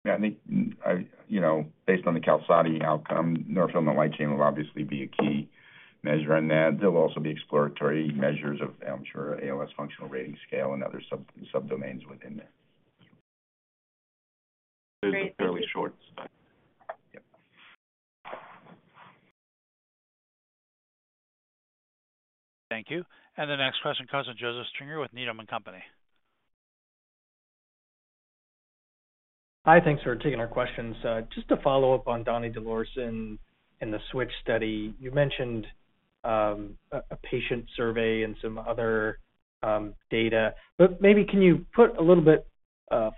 Yeah, I think, I, you know, based on the QALSODY outcome, neurofilament light chain will obviously be a key measure in that. There'll also be exploratory measures of, I'm sure, ALS Functional Rating Scale and other sub-subdomains within that. Great, thank you. It's a fairly short study. Thank you. The next question comes from Joseph Stringer with Needham & Company. Hi, thanks for taking our questions. Just to follow up on donidalorsen in the switch study, you mentioned a patient survey and some other data, but maybe can you put a little bit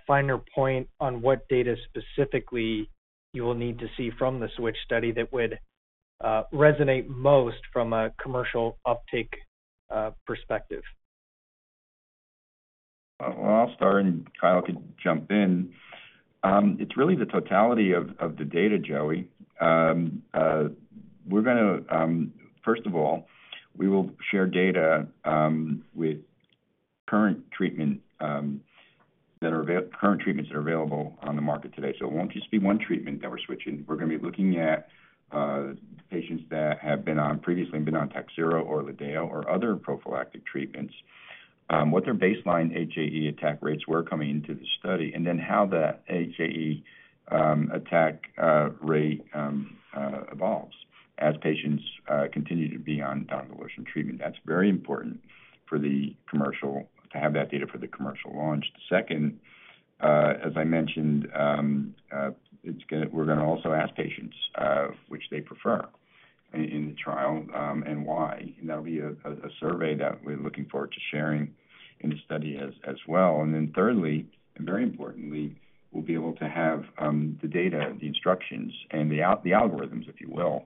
finer point on what data specifically you will need to see from the switch study that would resonate most from a commercial uptick perspective? Well, I'll start, and Kyle could jump in. It's really the totality of, of the data, Joey. We're gonna first of all, we will share data with current treatments that are available on the market today. So it won't just be one treatment that we're switching. We're gonna be looking at patients that have been on TAKHZYRO or ORLADEYO or other prophylactic treatments, what their baseline HAE attack rates were coming into the study, and then how the HAE attack rate evolves as patients continue to be on donidalorsen treatment. That's very important for the commercial, to have that data for the commercial launch. The second, as I mentioned, we're gonna also ask patients, which they prefer in the trial, and why. That'll be a survey that we're looking forward to sharing in the study as well. And then thirdly, and very importantly, we'll be able to have the data, the instructions, and the outcomes, the algorithms, if you will,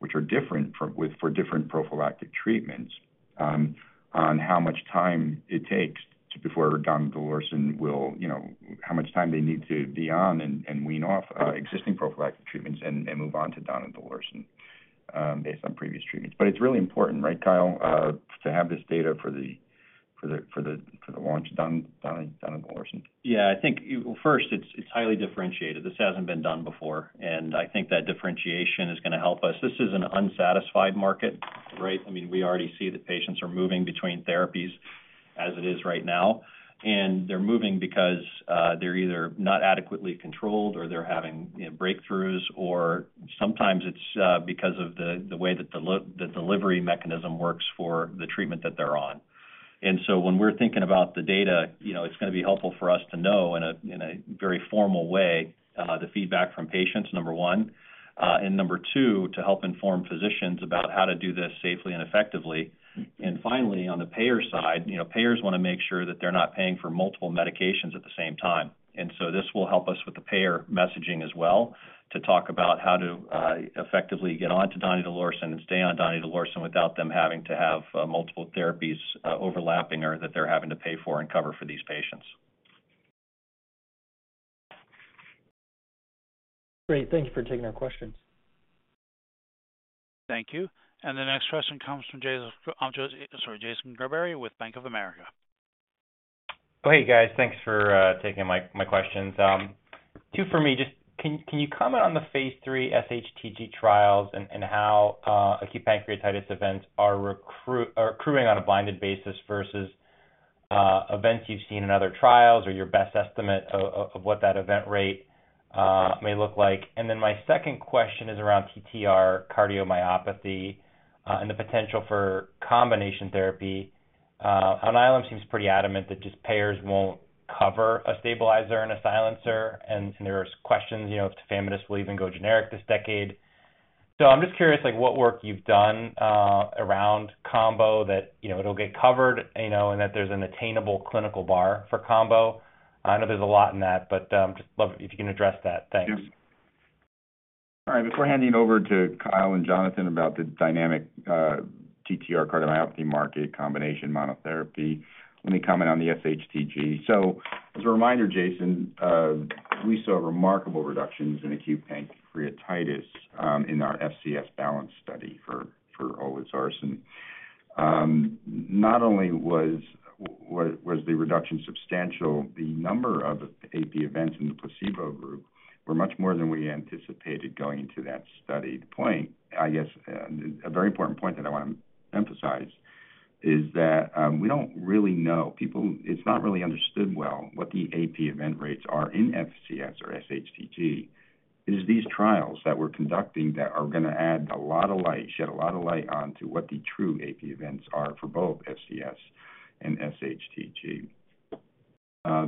which are different for different prophylactic treatments, on how much time it takes before donidalorsen will, you know, how much time they need to be on and wean off existing prophylactic treatments and move on to donidalorsen, based on previous treatments. But it's really important, right, Kyle, to have this data for the launch of donidalorsen? Yeah, I think, first, it's highly differentiated. This hasn't been done before, and I think that differentiation is gonna help us. This is an unsatisfied market, right? I mean, we already see that patients are moving between therapies as it is right now, and they're moving because they're either not adequately controlled or they're having, you know, breakthroughs, or sometimes it's because of the way that the delivery mechanism works for the treatment that they're on. And so when we're thinking about the data, you know, it's gonna be helpful for us to know in a very formal way the feedback from patients, number one, and number two, to help inform physicians about how to do this safely and effectively. And finally, on the payer side, you know, payers want to make sure that they're not paying for multiple medications at the same time. And so this will help us with the payer messaging as well, to talk about how to effectively get on to donidalorsen and stay on donidalorsen without them having to have multiple therapies overlapping or that they're having to pay for and cover for these patients. Great. Thank you for taking our questions. Thank you. And the next question comes from Jason, sorry, Jason Gerberry with Bank of America. Hey, guys. Thanks for taking my questions. Two for me. Just can you comment on the phase III sHTG trials and how acute pancreatitis events are accruing on a blinded basis versus events you've seen in other trials or your best estimate of what that event rate may look like? And then my second question is around ATTR cardiomyopathy and the potential for combination therapy. Alnylam seems pretty adamant that just payers won't cover a stabilizer and a silencer, and there are questions, you know, if tafamidis will even go generic this decade. So I'm just curious, like, what work you've done around combo that, you know, it'll get covered, you know, and that there's an attainable clinical bar for combo. I know there's a lot in that, but, just love if you can address that. Thanks. All right, before handing over to Kyle and Jonathan about the dynamic ATTR cardiomyopathy market, combination monotherapy, let me comment on the sHTG. So as a reminder, Jason, we saw remarkable reductions in acute pancreatitis in our FCS Balance study for olezarsen. Not only was the reduction substantial, the number of AP events in the placebo group were much more than we anticipated going into that study. The point, I guess, and a very important point that I want to emphasize, is that we don't really know. It's not really understood well what the AP event rates are in FCS or sHTG. It is these trials that we're conducting that are gonna add a lot of light, shed a lot of light onto what the true AP events are for both FCS and sHTG.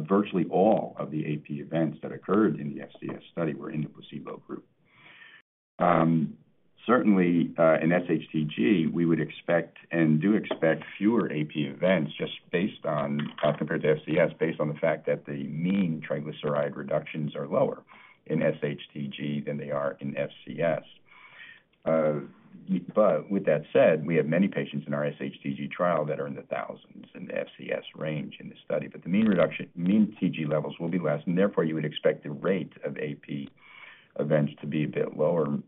Virtually all of the AP events that occurred in the FCS study were in the placebo group. Certainly, in sHTG, we would expect and do expect fewer AP events just based on, compared to FCS, based on the fact that the mean triglyceride reductions are lower in sHTG than they are in FCS. But with that said, we have many patients in our sHTG trial that are in the thousands, in the FCS range in this study, but the mean reduction, mean TG levels will be less, and therefore, you would expect the rate of AP events to be a bit lower, in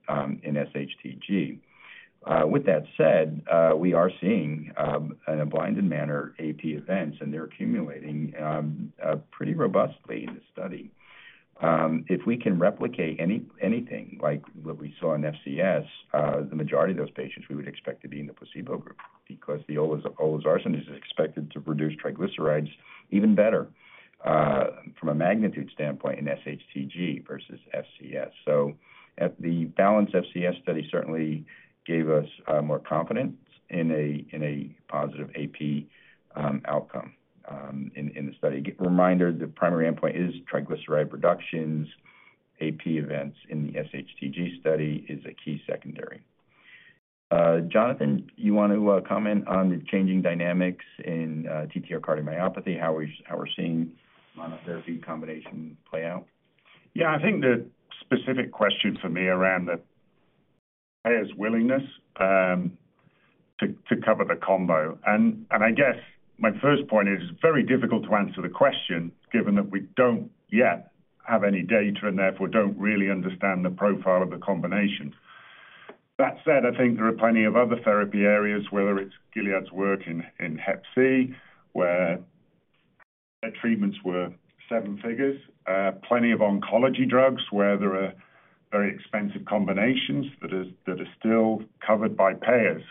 sHTG. With that said, we are seeing, in a blinded manner, AP events, and they're accumulating, pretty robustly in the study. If we can replicate anything like what we saw in FCS, the majority of those patients, we would expect to be in the placebo group because the olezarsen is expected to reduce triglycerides even better, from a magnitude standpoint in sHTG versus FCS. So at the Balance FCS study, certainly gave us more confidence in a positive AP outcome in the study. Reminder, the primary endpoint is triglyceride reductions. AP events in the sHTG study is a key secondary. Jonathan, you want to comment on the changing dynamics in ATTR cardiomyopathy, how we're seeing monotherapy combination play out? Yeah, I think the specific question for me around the payer's willingness to cover the combo. I guess my first point is, it's very difficult to answer the question, given that we don't yet have any data, and therefore, don't really understand the profile of the combination. That said, I think there are plenty of other therapy areas, whether it's Gilead's work in hep C, where their treatments were seven figures. Plenty of oncology drugs, where there are very expensive combinations that are still covered by payers.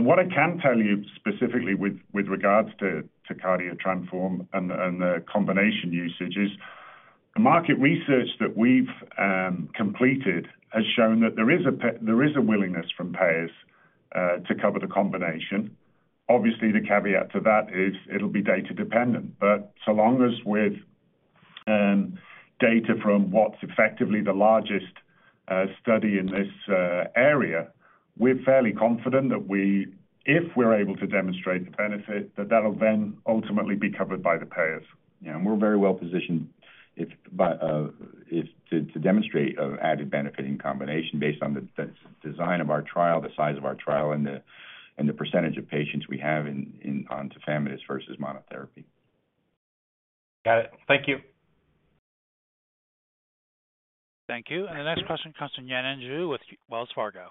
What I can tell you specifically with regards to CARDIO-TTRansform and the combination usage is, the market research that we've completed has shown that there is a willingness from payers to cover the combination. Obviously, the caveat to that is it'll be data dependent. But so long as with data from what's effectively the largest study in this area, we're fairly confident that we—if we're able to demonstrate the benefit, that that'll then ultimately be covered by the payers. Yeah, and we're very well positioned to demonstrate added benefit in combination based on the design of our trial, the size of our trial, and the percentage of patients we have on tafamidis versus monotherapy. Got it. Thank you. Thank you. And the next question comes from Yanan Zhu with Wells Fargo.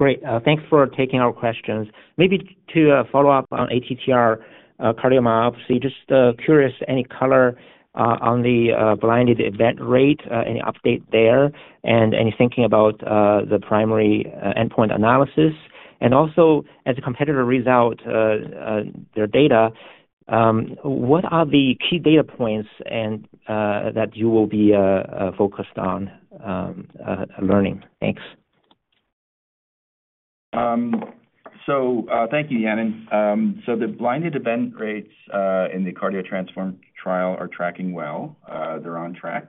Great, thanks for taking our questions. Maybe to follow up on ATTR cardiomyopathy, just curious, any color on the blinded event rate, any update there? And any thinking about the primary endpoint analysis? And also, as a competitor reads out their data, what are the key data points that you will be focused on learning? Thanks. So, thank you, Yanan. So the blinded event rates in the CARDIO-TTRansform trial are tracking well. They're on track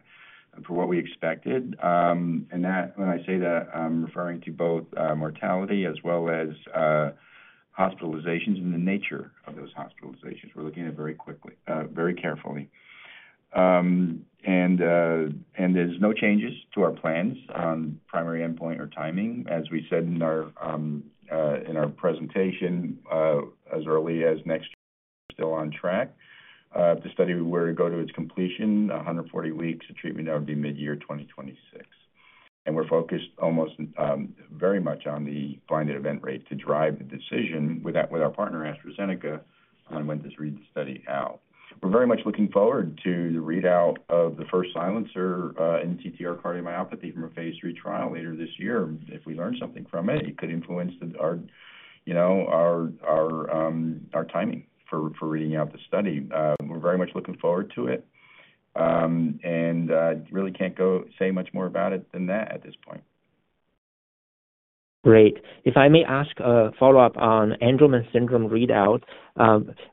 for what we expected. And that, when I say that, I'm referring to both mortality as well as hospitalizations and the nature of those hospitalizations. We're looking at it very quickly, very carefully. And there's no changes to our plans on primary endpoint or timing. As we said in our presentation, as early as next year, still on track. If the study were to go to its completion, 140 weeks of treatment, that would be midyear 2026. And we're focused almost, very much on the blinded event rate to drive the decision with that, with our partner, AstraZeneca, on when to read the study out. We're very much looking forward to the readout of the first silencer in ATTR cardiomyopathy from a phase III trial later this year. If we learn something from it, it could influence our, you know, our timing for reading out the study. We're very much looking forward to it. Really can't go say much more about it than that at this point. Great. If I may ask a follow-up on Angelman syndrome readout,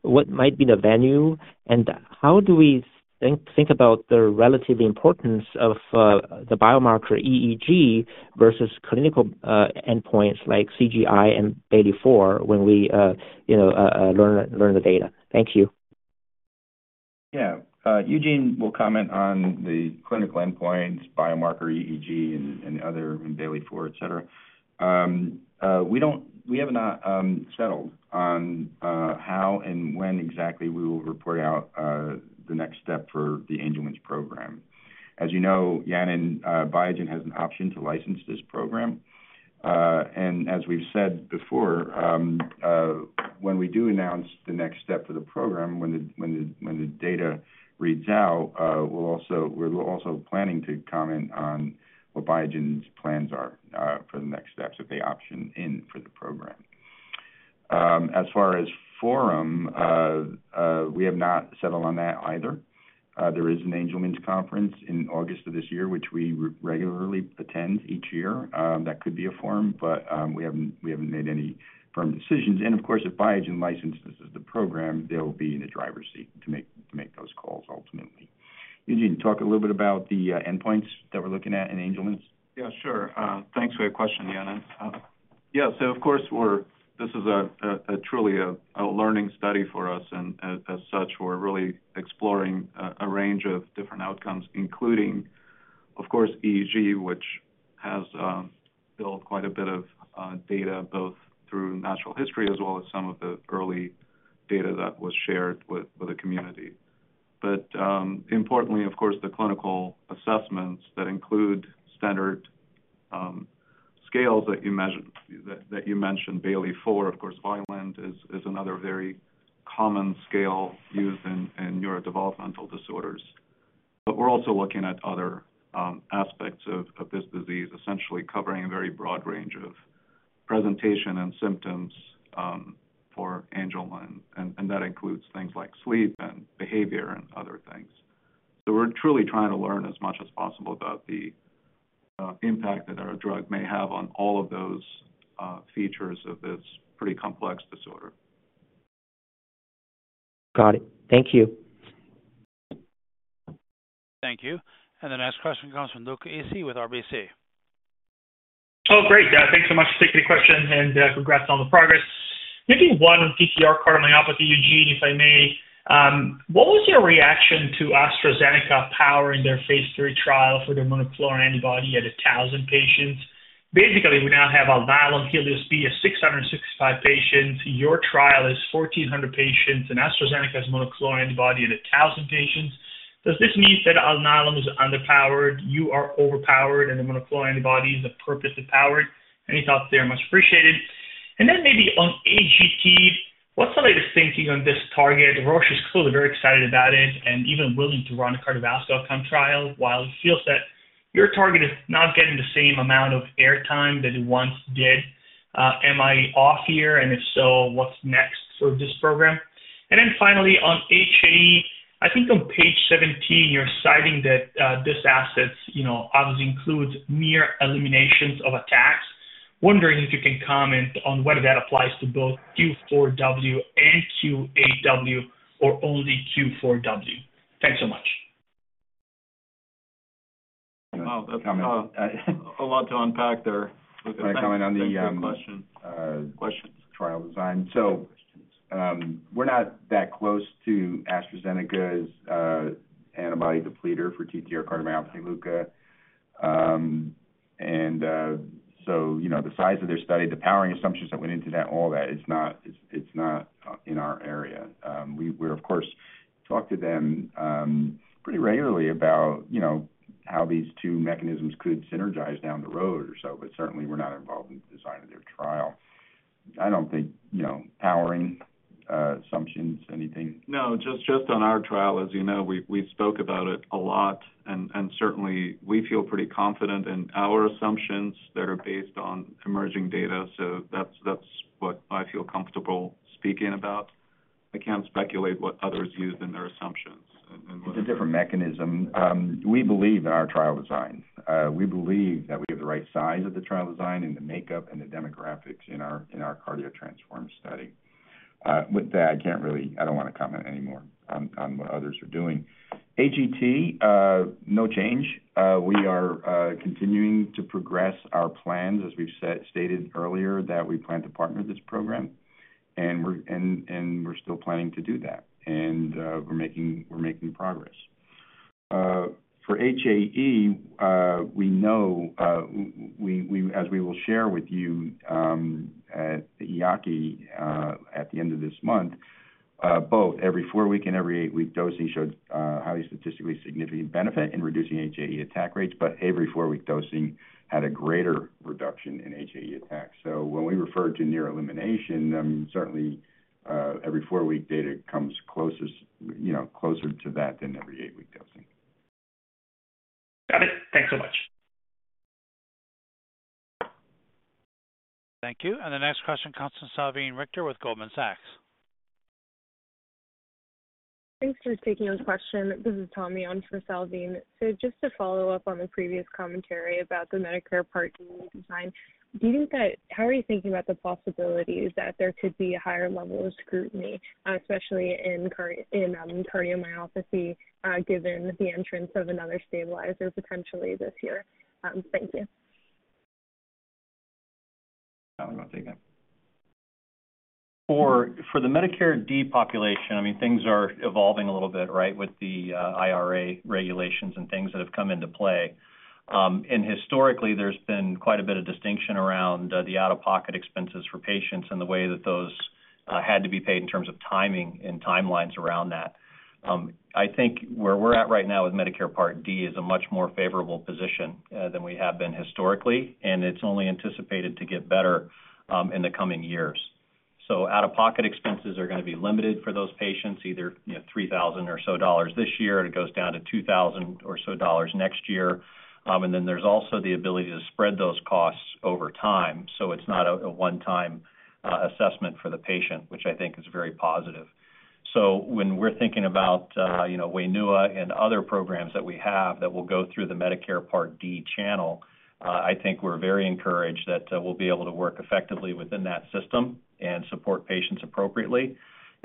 what might be the venue, and how do we think about the relative importance of the biomarker EEG versus clinical endpoints like CGI and Bayley-4 when we, you know, learn the data? Thank you. Yeah. Eugene will comment on the clinical endpoints, biomarker, EEG, and other, and Bayley-4, et cetera. We have not settled on how and when exactly we will report out the next step for the Angelman's program. As you know, Yanan, Biogen has an option to license this program. As we've said before, when we do announce the next step for the program, when the data reads out, we'll also - we're also planning to comment on what Biogen's plans are for the next steps if they option in for the program. As far as forum, we have not settled on that either. There is an Angelman's conference in August of this year, which we regularly attend each year. That could be a forum, but we haven't, we haven't made any firm decisions. And of course, if Biogen licenses the program, they'll be in the driver's seat to make, to make those calls ultimately. Eugene, talk a little bit about the endpoints that we're looking at in Angelman's. Yeah, sure. Thanks for your question, Yanan. Yeah, so of course, we're—this is a truly a learning study for us, and as such, we're really exploring a range of different outcomes, including, of course, EEG, which has built quite a bit of data, both through natural history as well as some of the early data that was shared with the community. But, importantly, of course, the clinical assessments that include standard scales that you measured, that you mentioned, Bayley-4, of course, Vineland is another very common scale used in neurodevelopmental disorders. But we're also looking at other aspects of this disease, essentially covering a very broad range of presentation and symptoms for Angelman, and that includes things like sleep and behavior and other things. So we're truly trying to learn as much as possible about the impact that our drug may have on all of those features of this pretty complex disorder. Got it. Thank you. Thank you. The next question comes from Luca Issi with RBC. Oh, great. Yeah, thanks so much for taking the question, and, congrats on the progress. Maybe one on ATTR cardiomyopathy, Eugene, if I may. What was your reaction to AstraZeneca powering their phase III trial for their monoclonal antibody at 1,000 patients? Basically, we now have Alnylam HELIOS-B at 665 patients. Your trial is 1,400 patients, and AstraZeneca has a monoclonal antibody at 1,000 patients. Does this mean that Alnylam is underpowered, you are overpowered, and the monoclonal antibody is the purpose of powered? Any thoughts there are much appreciated. And then maybe on AGT, what's the latest thinking on this target? Roche is clearly very excited about it and even willing to run a cardiovascular outcome trial, while it feels that your target is not getting the same amount of airtime that it once did. Am I off here? And if so, what's next for this program? And then finally, on HAE, I think on page 17, you're citing that this asset, you know, obviously includes near eliminations of attacks. Wondering if you can comment on whether that applies to both Q4W and Q8W or only Q4W. Thanks so much. Wow, that's a lot to unpack there. Want to comment on the Questions. Trial design. So, we're not that close to AstraZeneca's antibody depleter for ATTR cardiomyopathy, Luca. So, you know, the size of their study, the powering assumptions that went into that, all that, it's not in our area. We, of course, talk to them pretty regularly about, you know, how these two mechanisms could synergize down the road or so, but certainly we're not involved in the design of their trial. I don't think, you know, powering assumptions, anything. No, just on our trial, as you know, we spoke about it a lot, and certainly we feel pretty confident in our assumptions that are based on emerging data. So that's what I feel comfortable speaking about. I can't speculate what others used in their assumptions and what- It's a different mechanism. We believe in our trial design. We believe that we have the right size of the trial design and the makeup and the demographics in our CARDIO-TTRansform study. With that, I can't really. I don't want to comment any more on what others are doing. AGT, no change. We are continuing to progress our plans, as we've said, stated earlier, that we plan to partner this program, and we're, and, and we're still planning to do that. We're making progress. For HAE, we know, as we will share with you at the EAACI at the end of this month, both every four week and every eight week dosing showed highly statistically significant benefit in reducing HAE attack rates, but every four week dosing had a greater reduction in HAE attacks. So when we refer to near elimination, certainly every four week data comes closest, you know, closer to that than every eight week dosing. Got it. Thanks so much. Thank you. And the next question comes from Salveen Richter with Goldman Sachs. Thanks for taking the question. This is Tommie on for Salveen. So just to follow up on the previous commentary about the Medicare Part D design, do you think that- how are you thinking about the possibilities that there could be a higher level of scrutiny, especially in cardiomyopathy, given the entrance of another stabilizer potentially this year? Thank you. Kyle will take that. For the Medicare D population, I mean, things are evolving a little bit, right, with the IRA regulations and things that have come into play. And historically, there's been quite a bit of distinction around the out-of-pocket expenses for patients and the way that those had to be paid in terms of timing and timelines around that. I think where we're at right now with Medicare Part D is a much more favorable position than we have been historically, and it's only anticipated to get better in the coming years. So out-of-pocket expenses are gonna be limited for those patients, either, you know, $3,000 or so this year, and it goes down to $2,000 or so next year. And then there's also the ability to spread those costs over time, so it's not a one-time assessment for the patient, which I think is very positive. So when we're thinking about, you know, WAINUA and other programs that we have that will go through the Medicare Part D channel, I think we're very encouraged that we'll be able to work effectively within that system and support patients appropriately.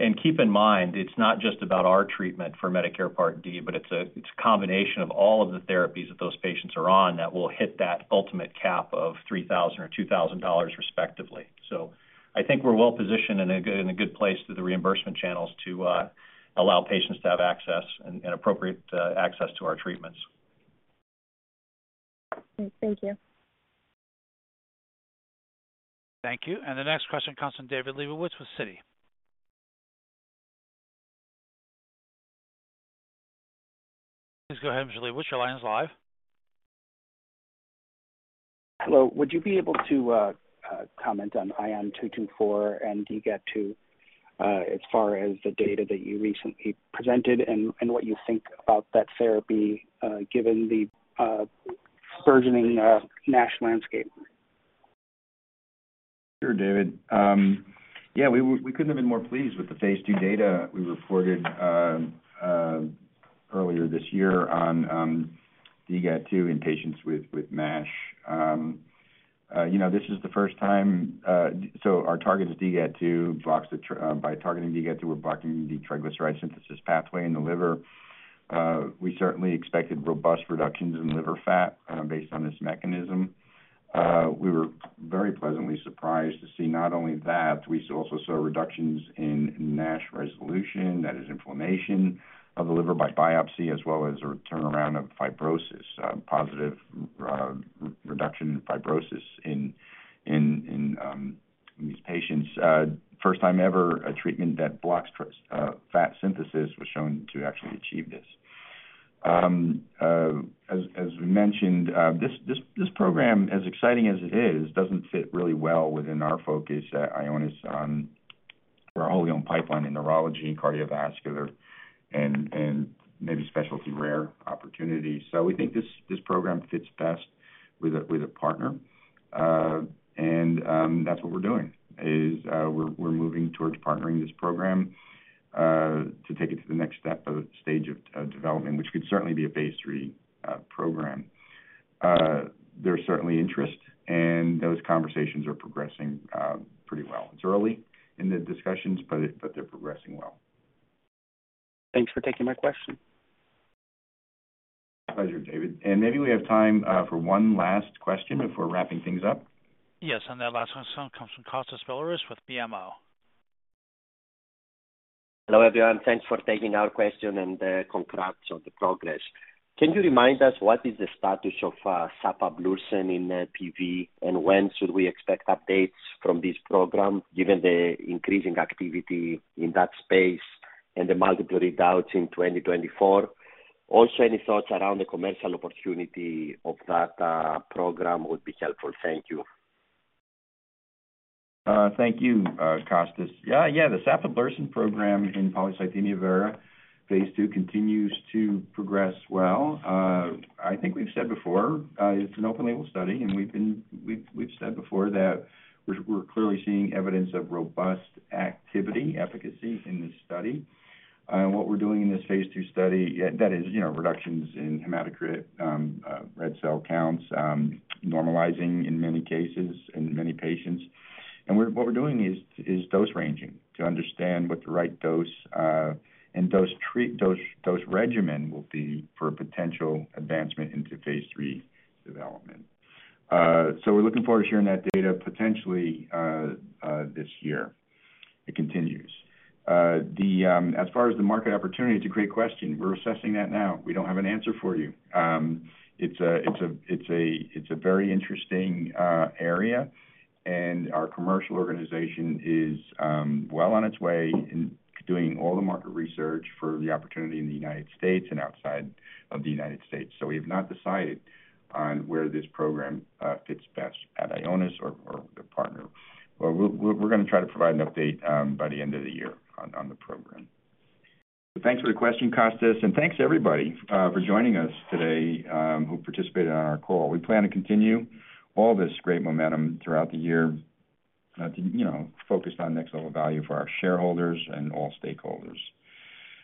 And keep in mind, it's not just about our treatment for Medicare Part D, but it's a combination of all of the therapies that those patients are on that will hit that ultimate cap of $3,000 or $2,000, respectively. So I think we're well positioned and in a good, in a good place with the reimbursement channels to allow patients to have access and, and appropriate access to our treatments. Great. Thank you. Thank you. The next question comes from David Lebowitz with Citi. Please go ahead, Mr. Lebowitz, your line is live. Hello. Would you be able to comment on ION224 and DGAT2, as far as the data that you recently presented and what you think about that therapy, given the burgeoning MASH landscape? Sure, David. Yeah, we couldn't have been more pleased with the phase II data we reported earlier this year on DGAT2 in patients with MASH. You know, this is the first time, so our target is DGAT2. By targeting DGAT2, we're blocking the triglyceride synthesis pathway in the liver. We certainly expected robust reductions in liver fat based on this mechanism. We were very pleasantly surprised to see not only that, we also saw reductions in MASH resolution. That is inflammation of the liver by biopsy, as well as a turnaround of fibrosis, positive reduction in fibrosis in these patients. First time ever, a treatment that blocks fat synthesis was shown to actually achieve this. As we mentioned, this program, as exciting as it is, doesn't fit really well within our focus at Ionis on our wholly owned pipeline in neurology, cardiovascular, and maybe specialty rare opportunities. So we think this program fits best with a partner. And that's what we're doing, is we're moving towards partnering this program to take it to the next step of stage of development, which could certainly be a phase III program. There's certainly interest, and those conversations are progressing pretty well. It's early in the discussions, but they're progressing well. Thanks for taking my question. Pleasure, David. Maybe we have time for one last question before wrapping things up. Yes, and that last one comes from Kostas Biliouris with BMO. Hello, everyone. Thanks for taking our question, and, congrats on the progress. Can you remind us what is the status of sapablursen in PV? And when should we expect updates from this program, given the increasing activity in that space and the multiple readouts in 2024? Also, any thoughts around the commercial opportunity of that program would be helpful. Thank you. Thank you, Kostas. Yeah, yeah, the sapablursen program in polycythemia vera, phase II, continues to progress well. I think we've said before, it's an open-label study, and we've said before that we're clearly seeing evidence of robust activity efficacy in this study. What we're doing in this phase II study, yeah, that is, you know, reductions in hematocrit, red cell counts, normalizing in many cases, in many patients. And we're doing is dose ranging to understand what the right dose and dose regimen will be for a potential advancement into phase III development. So we're looking forward to sharing that data potentially this year. It continues. As far as the market opportunity, it's a great question. We're assessing that now. We don't have an answer for you. It's a very interesting area, and our commercial organization is well on its way in doing all the market research for the opportunity in the United States and outside of the United States. So we have not decided on where this program fits best at Ionis or with a partner. But we're gonna try to provide an update by the end of the year on the program. Thanks for the question, Kostas, and thanks, everybody, for joining us today, who participated on our call. We plan to continue all this great momentum throughout the year to, you know, focus on next level value for our shareholders and all stakeholders.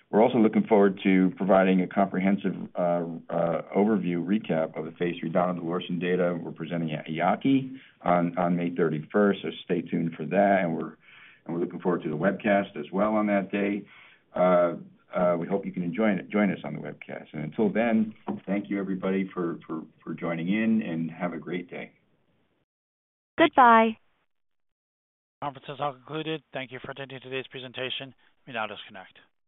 We're also looking forward to providing a comprehensive overview recap of the phase III donidalorsen data we're presenting at EAACI on May 31st. So stay tuned for that, and we're looking forward to the webcast as well on that day. We hope you can join us on the webcast. And until then, thank you everybody for joining in, and have a great day. Goodbye. Conference is all concluded. Thank you for attending today's presentation. You may now disconnect.